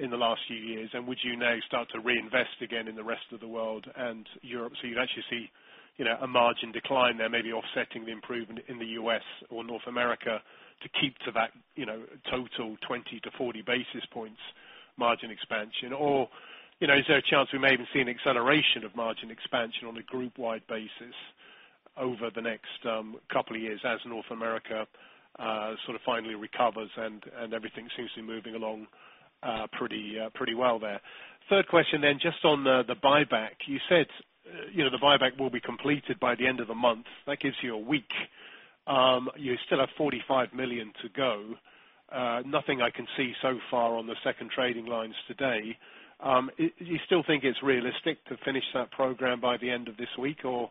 Speaker 8: in the last few years, and would you now start to reinvest again in the rest of the world and Europe? You'd actually see a margin decline there, maybe offsetting the improvement in the U.S. or North America to keep to that total 20-40 basis points margin expansion. Is there a chance we may even see an acceleration of margin expansion on a group-wide basis over the next couple of years as North America finally recovers, and everything seems to be moving along pretty well there. Third question, just on the buyback. You said the buyback will be completed by the end of the month. That gives you a week. You still have 45 million to go. Nothing I can see so far on the second trading lines today. Do you still think it's realistic to finish that program by the end of this week, or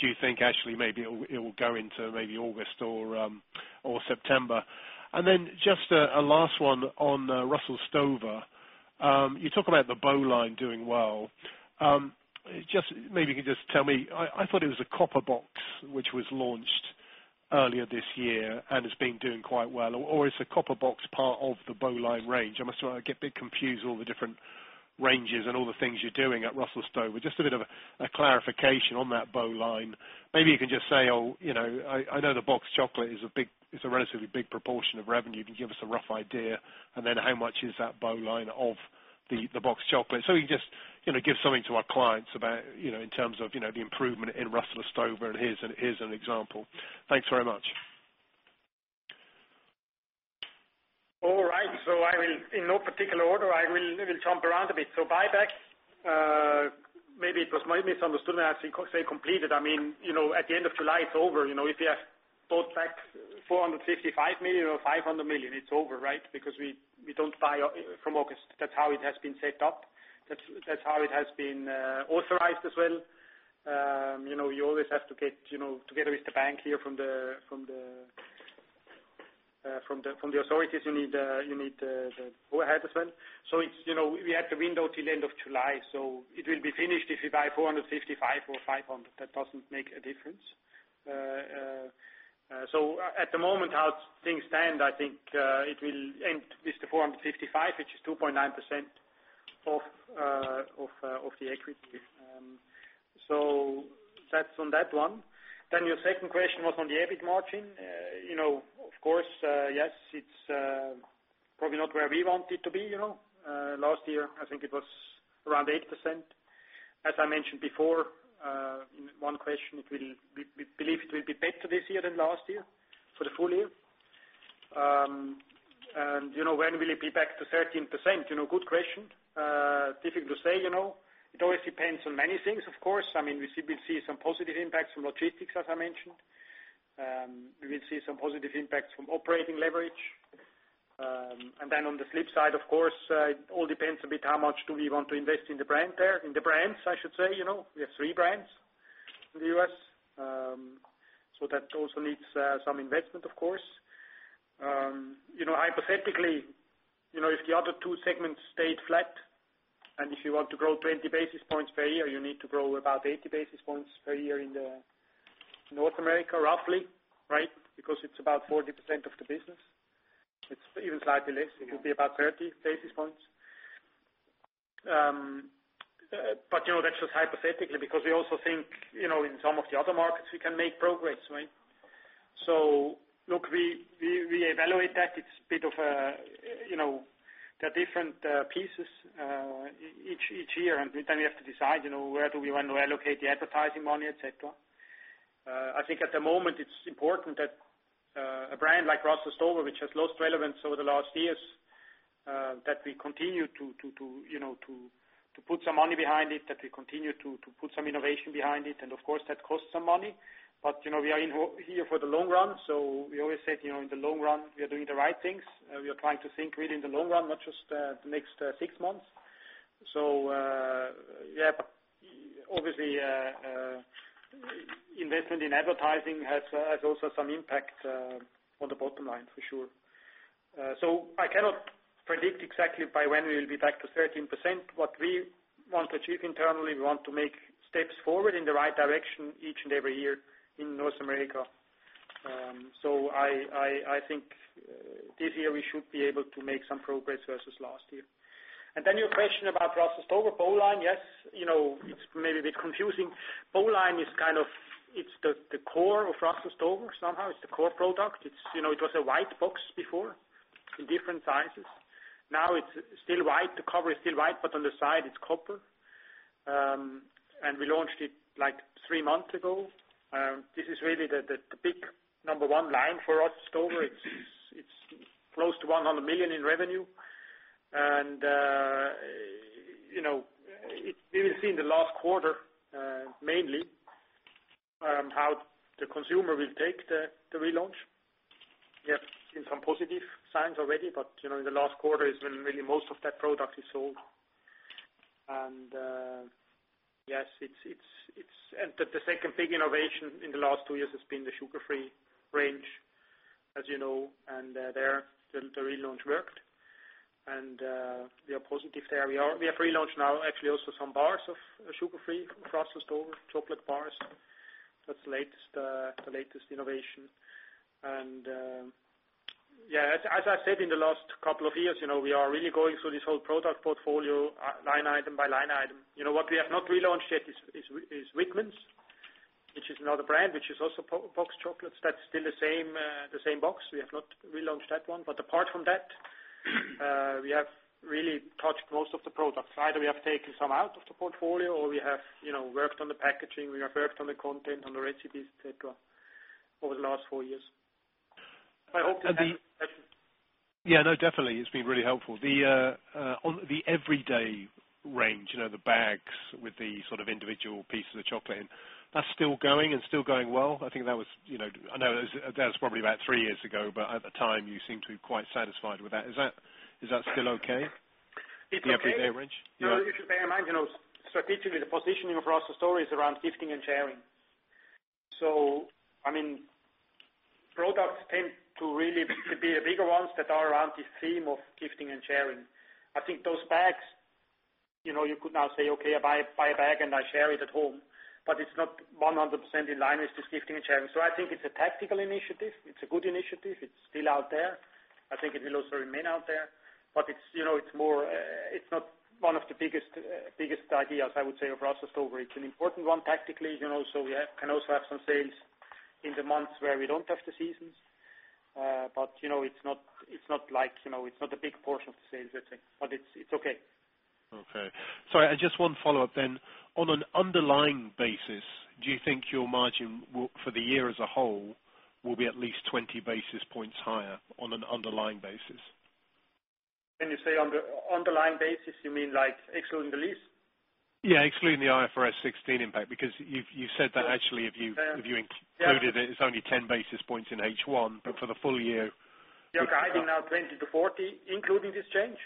Speaker 8: do you think actually maybe it will go into maybe August or September? Just a last one on Russell Stover. You talk about the Bow Line doing well. Maybe you can just tell me, I thought it was the copper box which was launched earlier this year and has been doing quite well, or is the copper box part of the Bow Line range? I get a bit confused with all the different ranges and all the things you're doing at Russell Stover. Just a bit of a clarification on that Bow Line. Maybe you can just say, I know the boxed chocolate is a relatively big proportion of revenue. Can you give us a rough idea, and then how much is that Bow Line of the boxed chocolate? You can just give something to our clients in terms of the improvement in Russell Stover, and here's an example. Thanks very much.
Speaker 1: All right. In no particular order, I will jump around a bit. Buyback, maybe it was my misunderstanding as you say completed. I mean, at the end of July, it's over. If you have bought back 455 million or 500 million, it's over, right? Because we don't buy from August. That's how it has been set up. That's how it has been authorized as well. You always have to get together with the bank here from the authorities, you need the go-ahead as well. We had the window till end of July. It will be finished if you buy 455 million or 500 million. That doesn't make a difference. At the moment, how things stand, I think it will end with the 455 million, which is 2.9% of the equity. That's on that one. Your second question was on the EBIT margin. Of course, yes, it's probably not where we want it to be. Last year, I think it was around 8%. As I mentioned before, in one question, we believe it will be better this year than last year for the full year. When will it be back to 13%? Good question. Difficult to say. It always depends on many things, of course. We see some positive impacts from logistics, as I mentioned. We will see some positive impacts from operating leverage. On the flip side, of course, it all depends a bit how much do we want to invest in the brand there, in the brands, I should say. We have three brands in the U.S. That also needs some investment, of course. Hypothetically, if the other two segments stayed flat, if you want to grow 20 basis points per year, you need to grow about 80 basis points per year in North America, roughly. It's about 40% of the business. It's even slightly less. It will be about 30 basis points. That's just hypothetically because we also think, in some of the other markets, we can make progress, right? Look, we evaluate that. There are different pieces each year, then we have to decide where do we want to allocate the advertising money, et cetera. I think at the moment, it's important that a brand like Russell Stover, which has lost relevance over the last years, that we continue to put some money behind it, that we continue to put some innovation behind it, of course, that costs some money. We are in here for the long run. We always said, in the long run, we are doing the right things. We are trying to think really in the long run, not just the next six months. Yeah. Obviously, investment in advertising has also some impact on the bottom line, for sure. I cannot predict exactly by when we will be back to 13%. What we want to achieve internally, we want to make steps forward in the right direction each and every year in North America. I think this year we should be able to make some progress versus last year. Your question about Russell Stover Bow Line, yes. It's maybe a bit confusing. Bow Line, it's the core of Russell Stover. Somehow it's the core product. It was a white box before in different sizes. Now it's still white. The cover is still white, but on the side it's copper. We launched it three months ago. This is really the big number one line for Russell Stover. It's close to 100 million in revenue. We will see in the last quarter, mainly, how the consumer will take the relaunch. We have seen some positive signs already. In the last quarter is when really most of that product is sold. Yes. The second big innovation in the last two years has been the sugar-free range, as you know. There, the relaunch worked. We are positive there. We have relaunched now actually also some bars of sugar-free Russell Stover chocolate bars. That's the latest innovation. Yeah, as I said, in the last couple of years, we are really going through this whole product portfolio, line item by line item. What we have not relaunched yet is Whitman's, which is another brand, which is also boxed chocolates. That's still the same box. We have not relaunched that one. Apart from that, we have really touched most of the products. Either we have taken some out of the portfolio or we have worked on the packaging, we have worked on the content, on the recipes, et cetera, over the last four years. I hope that answers.
Speaker 8: Yeah. No, definitely. It's been really helpful. On the everyday range, the bags with the sort of individual pieces of chocolate in, that's still going and still going well? I know that was probably about three years ago, at the time you seemed to be quite satisfied with that. Is that still okay?
Speaker 1: It's okay.
Speaker 8: The everyday range? Yeah.
Speaker 1: You should bear in mind, strategically, the positioning of Russell Stover is around gifting and sharing. Products tend to really be the bigger ones that are around this theme of gifting and sharing. I think those bags, you could now say, "Okay, I buy a bag and I share it at home," it's not 100% in line with this gifting and sharing. I think it's a tactical initiative. It's a good initiative. It's still out there. I think it will also remain out there. It's not one of the biggest ideas, I would say, of Russell Stover. It's an important one tactically, we can also have some sales in the months where we don't have the seasons. It's not a big portion of the sales, let's say. It's okay.
Speaker 8: Okay. Sorry. Just one follow-up then. On an underlying basis, do you think your margin for the year as a whole will be at least 20 basis points higher on an underlying basis?
Speaker 1: When you say underlying basis, you mean like excluding the lease?
Speaker 8: Yeah, excluding the IFRS 16 impact, because you've said that actually, if you included it is only 10 basis points in H1, but for the full year-
Speaker 1: We are guiding now 20%-40%, including this change.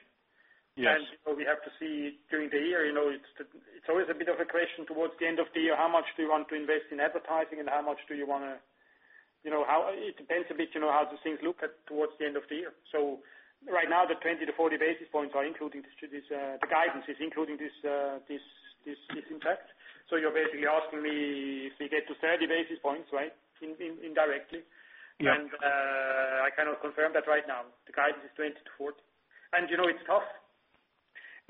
Speaker 8: Yes.
Speaker 1: We have to see during the year. It's always a bit of a question towards the end of the year, how much do you want to invest in advertising and how much do you want to It depends a bit how the things look towards the end of the year. Right now, the 20 basis points-40 basis points, the guidance is including this impact. You're basically asking me if we get to 30 basis points, right? Indirectly.
Speaker 8: Yeah.
Speaker 1: I cannot confirm that right now. The guidance is 20 basis points-40 basis points. It's tough.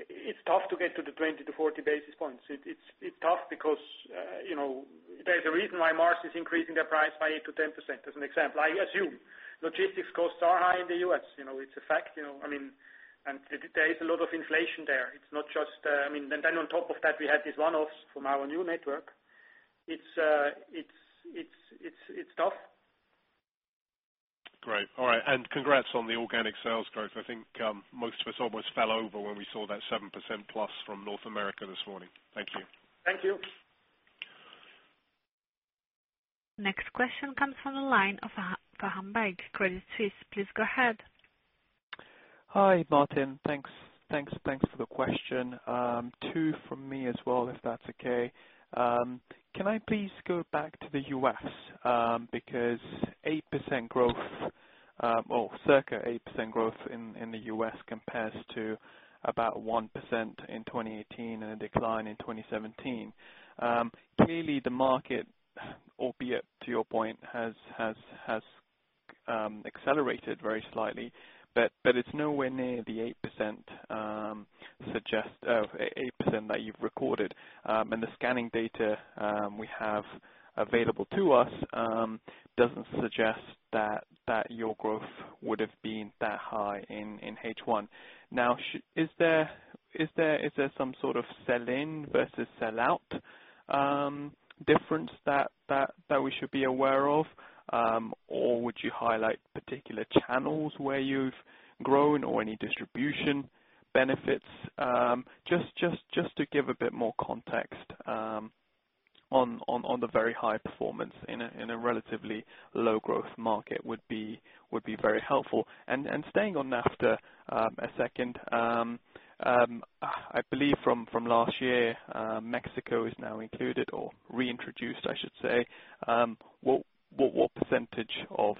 Speaker 1: It's tough to get to the 20 basis points-40 basis points. It's tough because there's a reason why Mars is increasing their price by 8%-10%, as an example. I assume logistics costs are high in the U.S. It's a fact. There is a lot of inflation there. Then on top of that, we have these one-offs from our new network. It's tough.
Speaker 8: Great. All right. Congrats on the organic sales growth. I think most of us almost fell over when we saw that 7%+ from North America this morning. Thank you.
Speaker 1: Thank you.
Speaker 2: Next question comes from the line of Faham Baig, Credit Suisse. Please go ahead.
Speaker 9: Hi, Martin. Thanks for the question. Two from me as well, if that's okay. Can I please go back to the U.S.? 8% growth, or circa 8% growth in the U.S. compares to about 1% in 2018 and a decline in 2017. Clearly the market, albeit to your point, has accelerated very slightly, but it's nowhere near the 8% that you've recorded. The scanning data we have available to us doesn't suggest that your growth would've been that high in H1. Now, is there some sort of sell in versus sell out difference that we should be aware of? Would you highlight particular channels where you've grown or any distribution benefits? Just to give a bit more context on the very high performance in a relatively low growth market would be very helpful. Staying on NAFTA a second, I believe from last year, Mexico is now included or reintroduced, I should say. What percentage of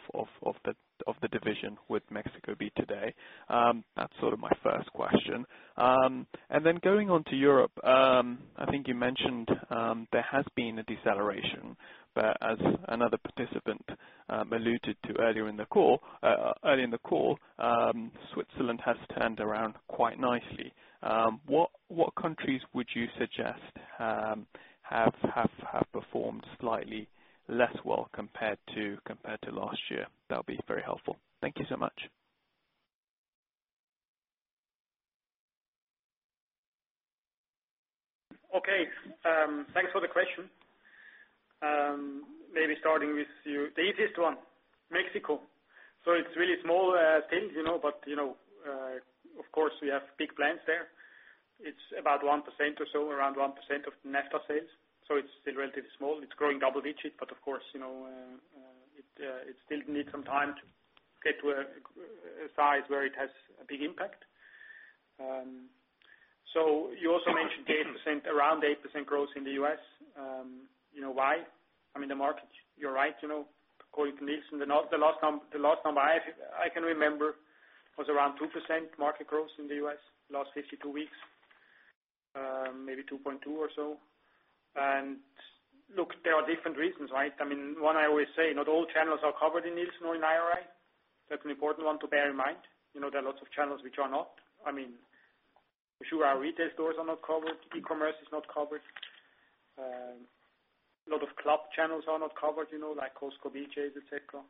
Speaker 9: the division would Mexico be today? That's my first question. Then going on to Europe, I think you mentioned there has been a deceleration, but as another participant alluded to earlier in the call, Switzerland has turned around quite nicely. What countries would you suggest have performed slightly less well compared to last year? That'll be very helpful. Thank you so much.
Speaker 1: Okay. Thanks for the question. Maybe starting with the easiest one, Mexico. It's really small things, but of course we have big plans there. It's about 1% or so, around 1% of net sales. It's still relatively small. It's growing double digits, but of course, it still needs some time to get to a size where it has a big impact. You also mentioned around 8% growth in the U.S. You know why? I mean, the market, you're right. According to Nielsen, the last number I can remember was around 2% market growth in the U.S. last 52 weeks, maybe 2.2% or so. Look, there are different reasons, right? One I always say, not all channels are covered in Nielsen or in IRI. That's an important one to bear in mind. There are lots of channels which are not. I mean, sure our retail stores are not covered. E-commerce is not covered. Lots of club channels are not covered, like Costco, BJ's, et cetera.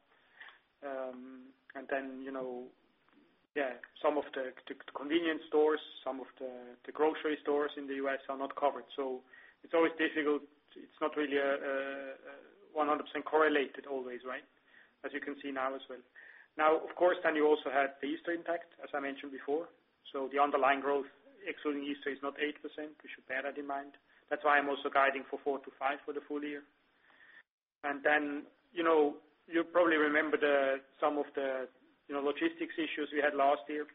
Speaker 1: Some of the convenience stores, some of the grocery stores in the U.S. are not covered. It's always difficult. It's not really 100% correlated always, right? As you can see now as well. You also had the Easter impact, as I mentioned before, so the underlying growth excluding Easter is not 8%. We should bear that in mind. That's why I'm also guiding for 4%-5% for the full year. You probably remember some of the logistics issues we had last year.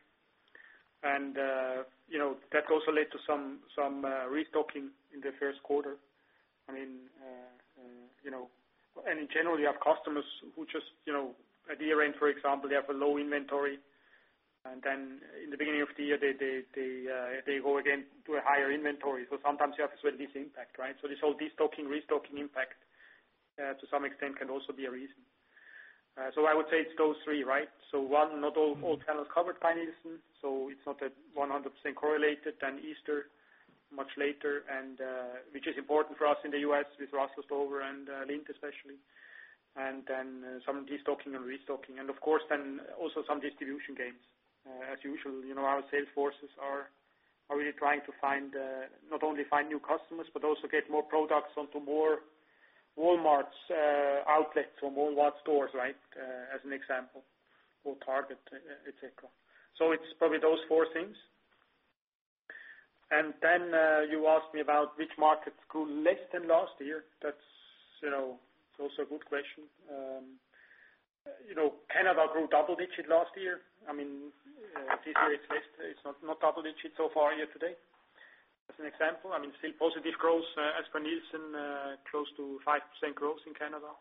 Speaker 1: That also led to some restocking in the first quarter. In general, you have customers who just, at year-end, for example, they have a low inventory, and then in the beginning of the year, they go again to a higher inventory. Sometimes you have this impact, right? This whole destocking, restocking impact to some extent can also be a reason. I would say it's those three, right? One, not all channels covered by Nielsen, so it's not that 100% correlated. Easter, much later, which is important for us in the U.S. with Russell Stover and Lindt especially. Some destocking and restocking and of course then also some distribution gains. As usual, our sales forces are really trying to not only find new customers, but also get more products onto more Walmart outlets or Walmart stores, right, as an example. Or Target, et cetera. It's probably those four things. You asked me about which markets grew less than last year. That's also a good question. Canada grew double digits last year. This year it's not double digits so far here today. As an example, still positive growth as per Nielsen, close to 5% growth in Canada.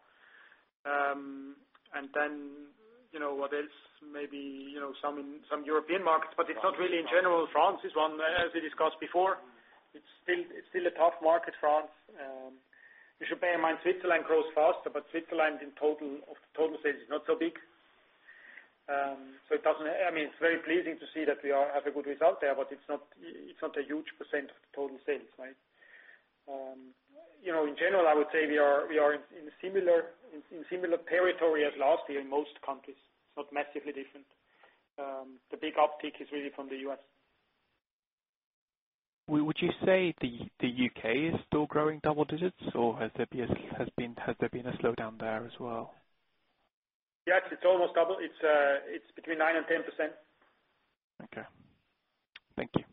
Speaker 1: What else? Maybe some European markets, but it's not really in general. France is one, as we discussed before. It's still a tough market, France. You should bear in mind, Switzerland grows faster, but Switzerland in total sales is not so big. It's very pleasing to see that we have a good result there, but it's not a huge percent of the total sales, right? In general, I would say we are in similar territory as last year in most countries. It's not massively different. The big uptick is really from the U.S.
Speaker 9: Would you say the U.K. is still growing double digits or has there been a slowdown there as well?
Speaker 1: Yes, it's almost double. It's between 9% and 10%.
Speaker 9: Okay. Thank you.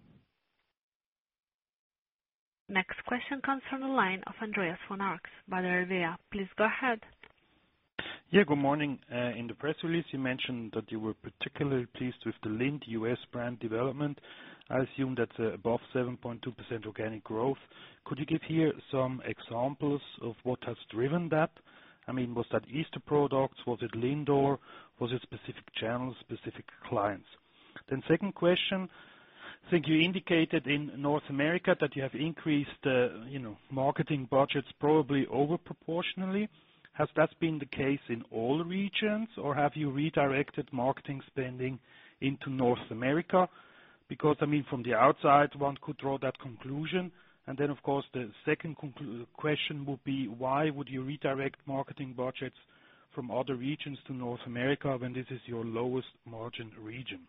Speaker 2: Next question comes from the line of Andreas von Arx, Baader Helvea. Please go ahead.
Speaker 10: Yeah, good morning. In the press release, you mentioned that you were particularly pleased with the Lindt U.S. brand development. I assume that's above 7.2% organic growth. Could you give here some examples of what has driven that? Was that Easter products? Was it LINDOR? Was it specific channels, specific clients? Second question, I think you indicated in North America that you have increased marketing budgets probably over-proportionally. Has that been the case in all regions or have you redirected marketing spending into North America? From the outside, one could draw that conclusion. Of course the second question would be why would you redirect marketing budgets from other regions to North America when this is your lowest margin region?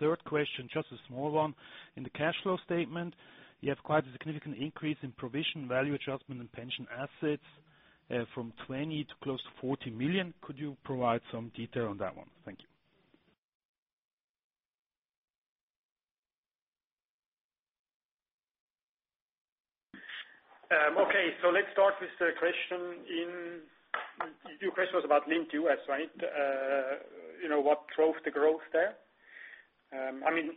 Speaker 10: Third question, just a small one. In the cash flow statement, you have quite a significant increase in provision value adjustment and pension assets from 20 million to close to 40 million. Could you provide some detail on that one? Thank you.
Speaker 1: Okay, let's start with your question. Your question was about Lindt U.S., right? What drove the growth there? You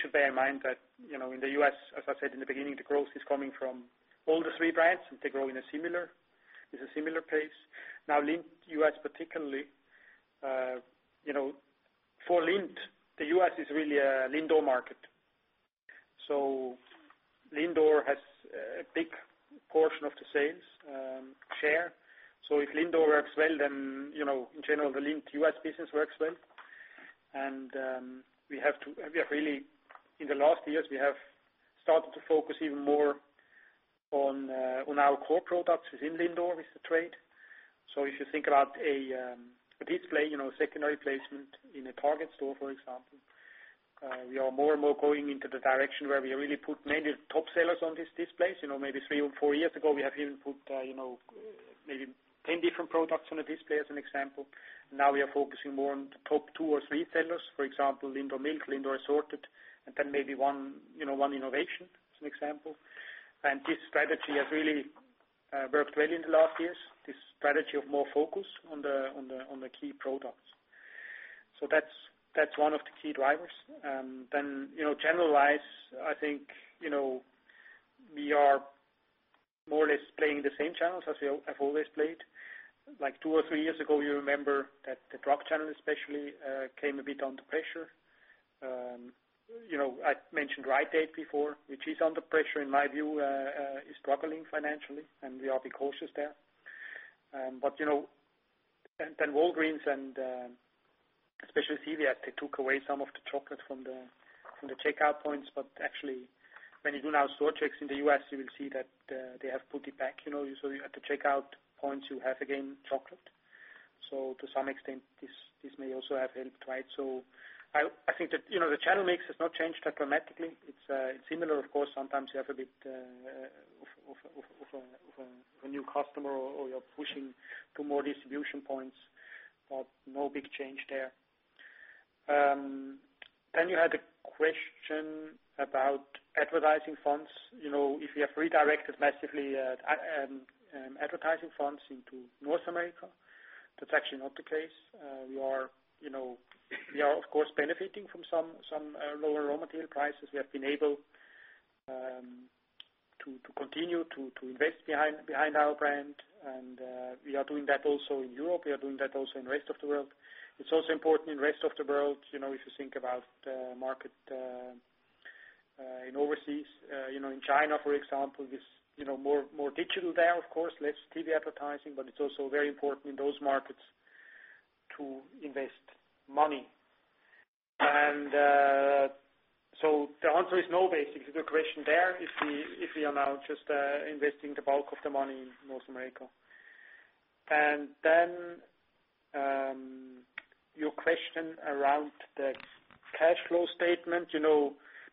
Speaker 1: should bear in mind that in the U.S., as I said in the beginning, the growth is coming from all the three brands, and they grow in a similar pace. Lindt U.S. particularly, for Lindt, the U.S. is really a LINDOR market. LINDOR has a big portion of the sales share. If LINDOR works well, then in general, the Lindt U.S. business works well. In the last years, we have started to focus even more on our core products within LINDOR with the trade. If you think about a display, secondary placement in a Target store, for example, we are more and more going into the direction where we really put maybe top sellers on these displays. Maybe three or four years ago, we have even put maybe 10 different products on a display, as an example. Now we are focusing more on the top two or three sellers, for example, LINDOR milk, LINDOR assorted, and then maybe one innovation, as an example. This strategy has really worked well in the last years, this strategy of more focus on the key products. That's one of the key drivers. Generalized, I think, we are more or less playing the same channels as we have always played. Like two or three years ago, you remember that the drug channel especially came a bit under pressure. I mentioned Rite Aid before, which is under pressure in my view, is struggling financially, and we are being cautious there. Walgreens and especially CVS, they took away some of the chocolate from the checkout points, but actually when you do now store checks in the U.S., you will see that they have put it back. Usually at the checkout points, you have again chocolate. To some extent, this may also have helped. I think that the channel mix has not changed dramatically. It's similar. Of course, sometimes you have a bit of a new customer or you're pushing to more distribution points, but no big change there. You had a question about advertising funds. If we have redirected massively advertising funds into North America, that's actually not the case. We are, of course, benefiting from some lower raw material prices. We have been able to continue to invest behind our brand, and we are doing that also in Europe. We are doing that also in the rest of the world. It's also important in rest of the world if you think about market in overseas. In China, for example, it's more digital there, of course, less TV advertising, but it's also very important in those markets to invest money. The answer is no, basically, to your question there, if we are now just investing the bulk of the money in North America. Your question around the cash flow statement.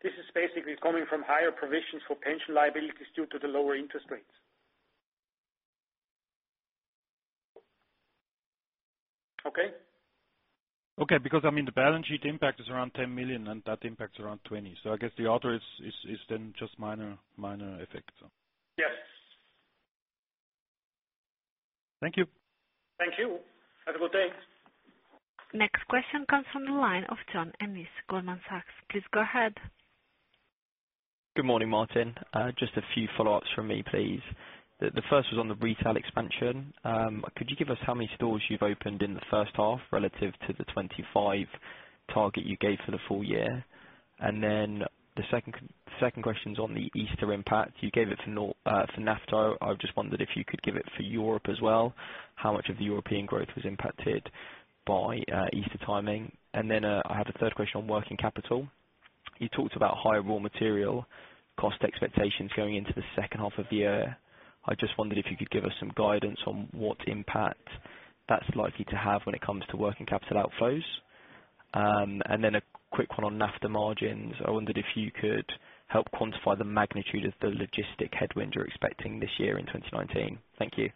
Speaker 1: This is basically coming from higher provisions for pension liabilities due to the lower interest rates. Okay.
Speaker 10: Okay. The balance sheet impact is around 10 million, and that impact is around 20. I guess the other is then just minor effect.
Speaker 1: Yes.
Speaker 10: Thank you.
Speaker 1: Thank you. Have a good day.
Speaker 2: Next question comes from the line of John Ennis, Goldman Sachs. Please go ahead.
Speaker 11: Good morning, Martin. Just a few follow-ups from me, please. The first was on the retail expansion. Could you give us how many stores you've opened in the first half relative to the 25 target you gave for the full year? The second question is on the Easter impact. You gave it for NAFTA. I just wondered if you could give it for Europe as well, how much of the European growth was impacted by Easter timing. I have a third question on working capital. You talked about higher raw material cost expectations going into the second half of the year. I just wondered if you could give us some guidance on what impact that's likely to have when it comes to working capital outflows. A quick one on NAFTA margins. I wondered if you could help quantify the magnitude of the logistic headwind you're expecting this year in 2019. Thank you.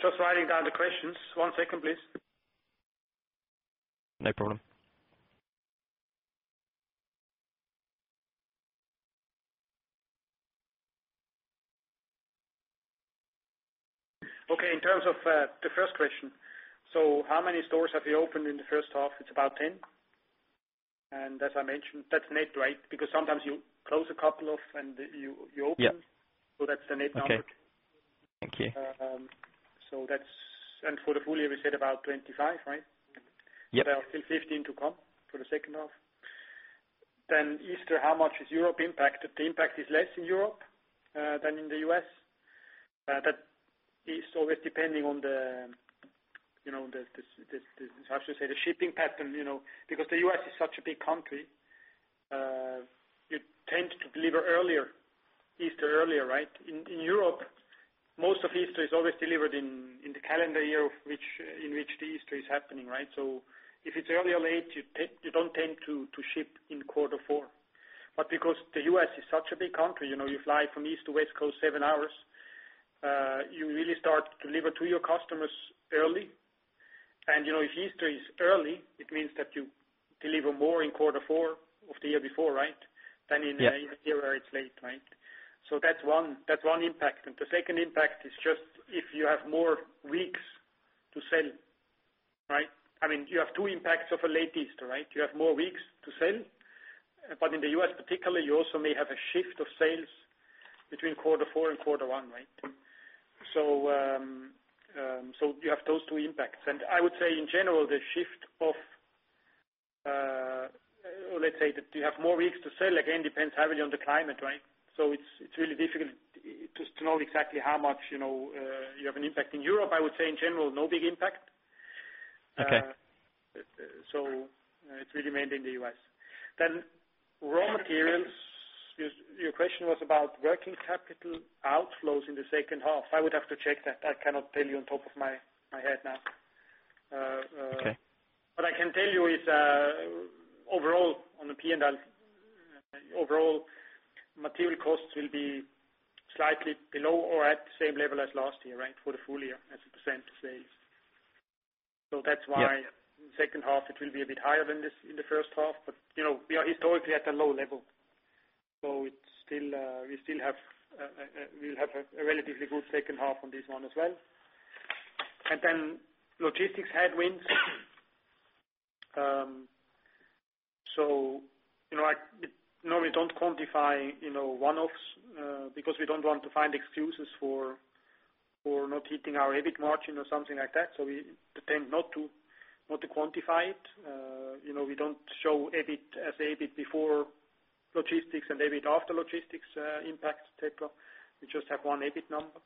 Speaker 1: Just writing down the questions. One second, please.
Speaker 11: No problem.
Speaker 1: Okay. In terms of the first question, how many stores have we opened in the first half? It's about 10. As I mentioned, that's net. Sometimes you close a couple off and you open.
Speaker 11: Yeah.
Speaker 1: That's the net number.
Speaker 11: Okay. Thank you.
Speaker 1: For the full year, we said about 25, right?
Speaker 11: Yep.
Speaker 1: There are still 15 to come for the second half. Easter, how much is Europe impacted? The impact is less in Europe than in the U.S. That is always depending on the, how should I say, the shipping pattern. The U.S. is such a big country, you tend to deliver Easter earlier. In Europe, most of Easter is always delivered in the calendar year in which the Easter is happening. If it's early or late, you don't tend to ship in quarter four. Because the U.S. is such a big country, you fly from East to West Coast seven hours, you really start to deliver to your customers early. If Easter is early, it means that you deliver more in quarter four of the year before, right?
Speaker 11: Yes
Speaker 1: a year where it's late, right. That's one impact. The second impact is just if you have more weeks to sell, right. You have two impacts of a late Easter, right. You have more weeks to sell. In the U.S. particularly, you also may have a shift of sales between quarter four and quarter one, right. You have those two impacts. I would say in general, the shift of Let's say that you have more weeks to sell, again, depends heavily on the climate, right. It's really difficult just to know exactly how much you have an impact. In Europe, I would say in general, no big impact.
Speaker 11: Okay.
Speaker 1: It's really mainly in the U.S. Raw materials. Your question was about working capital outflows in the second half. I would have to check that. I cannot tell you on top of my head now.
Speaker 11: Okay.
Speaker 1: What I can tell you is overall on the P&L, overall material costs will be slightly below or at the same level as last year, right? For the full year as a percent of sales.
Speaker 11: Yeah
Speaker 1: Second half it will be a bit higher than this in the first half. We are historically at a low level, so we'll have a relatively good second half on this one as well. Logistics headwinds. We normally don't quantify one-offs because we don't want to find excuses for not hitting our EBIT margin or something like that. We tend not to quantify it. We don't show EBIT as EBIT before logistics and EBIT after logistics impact, et cetera. We just have one EBIT number.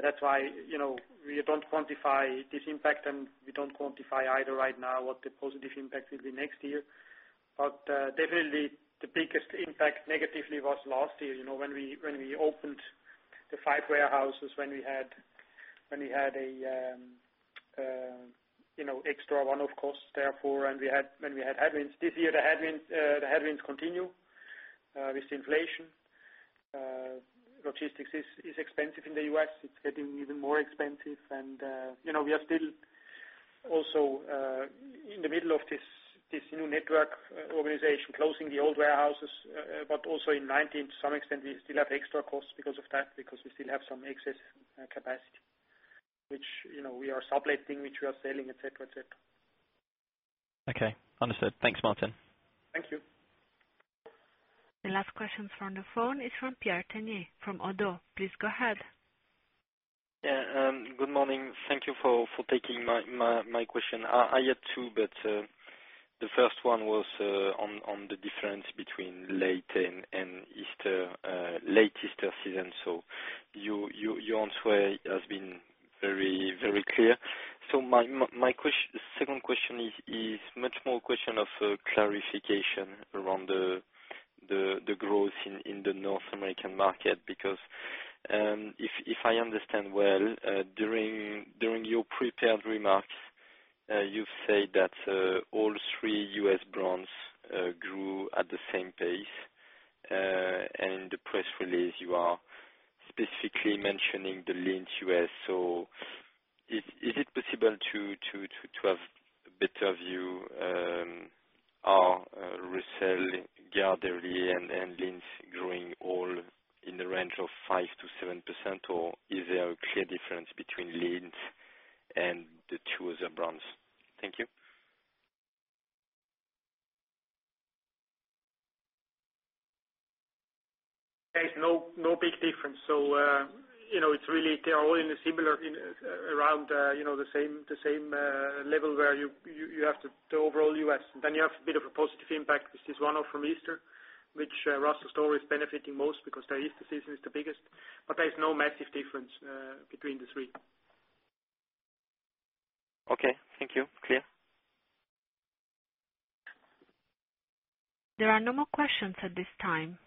Speaker 1: That's why we don't quantify this impact, and we don't quantify either right now what the positive impact will be next year. Definitely the biggest impact negatively was last year, when we opened the five warehouses, when we had extra one-off costs therefore, and when we had headwinds. This year, the headwinds continue with inflation. Logistics is expensive in the U.S., it's getting even more expensive. We are still also in the middle of this new network organization closing the old warehouses. Also in 2019, to some extent, we still have extra costs because of that, because we still have some excess capacity which we are subletting, which we are selling, et cetera.
Speaker 11: Okay, understood. Thanks, Martin.
Speaker 1: Thank you.
Speaker 2: The last question from the phone is from Pierre Tegnér from Oddo BHF. Please go ahead.
Speaker 12: Good morning. Thank you for taking my question. I had two. The first one was on the difference between late Easter season. Your answer has been very clear. My second question is much more a question of clarification around the growth in the North American market because if I understand well, during your prepared remarks you said that all three U.S. brands grew at the same pace. In the press release you are specifically mentioning the Lindt U.S. Is it possible to have a better view? Are Russell Stover, Ghirardelli and Lindt growing all in the range of 5%-7% or is there a clear difference between Lindt and the two other brands? Thank you.
Speaker 1: There is no big difference. They are all in a similar, around the same level where you have the overall U.S. You have a bit of a positive impact. This is one-off from Easter, which Russell Stover is benefiting most because their Easter season is the biggest. There is no massive difference between the three.
Speaker 12: Okay. Thank you. Clear.
Speaker 2: There are no more questions at this time.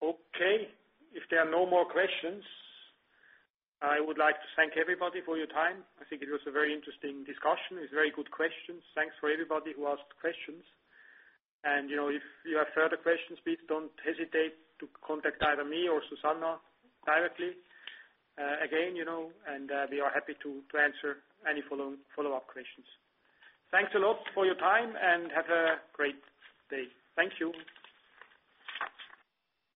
Speaker 1: Okay. If there are no more questions, I would like to thank everybody for your time. I think it was a very interesting discussion. It's very good questions. Thanks for everybody who asked questions. If you have further questions, please don't hesitate to contact either me or Susanna directly. Again, we are happy to answer any follow-up questions. Thanks a lot for your time and have a great day. Thank you.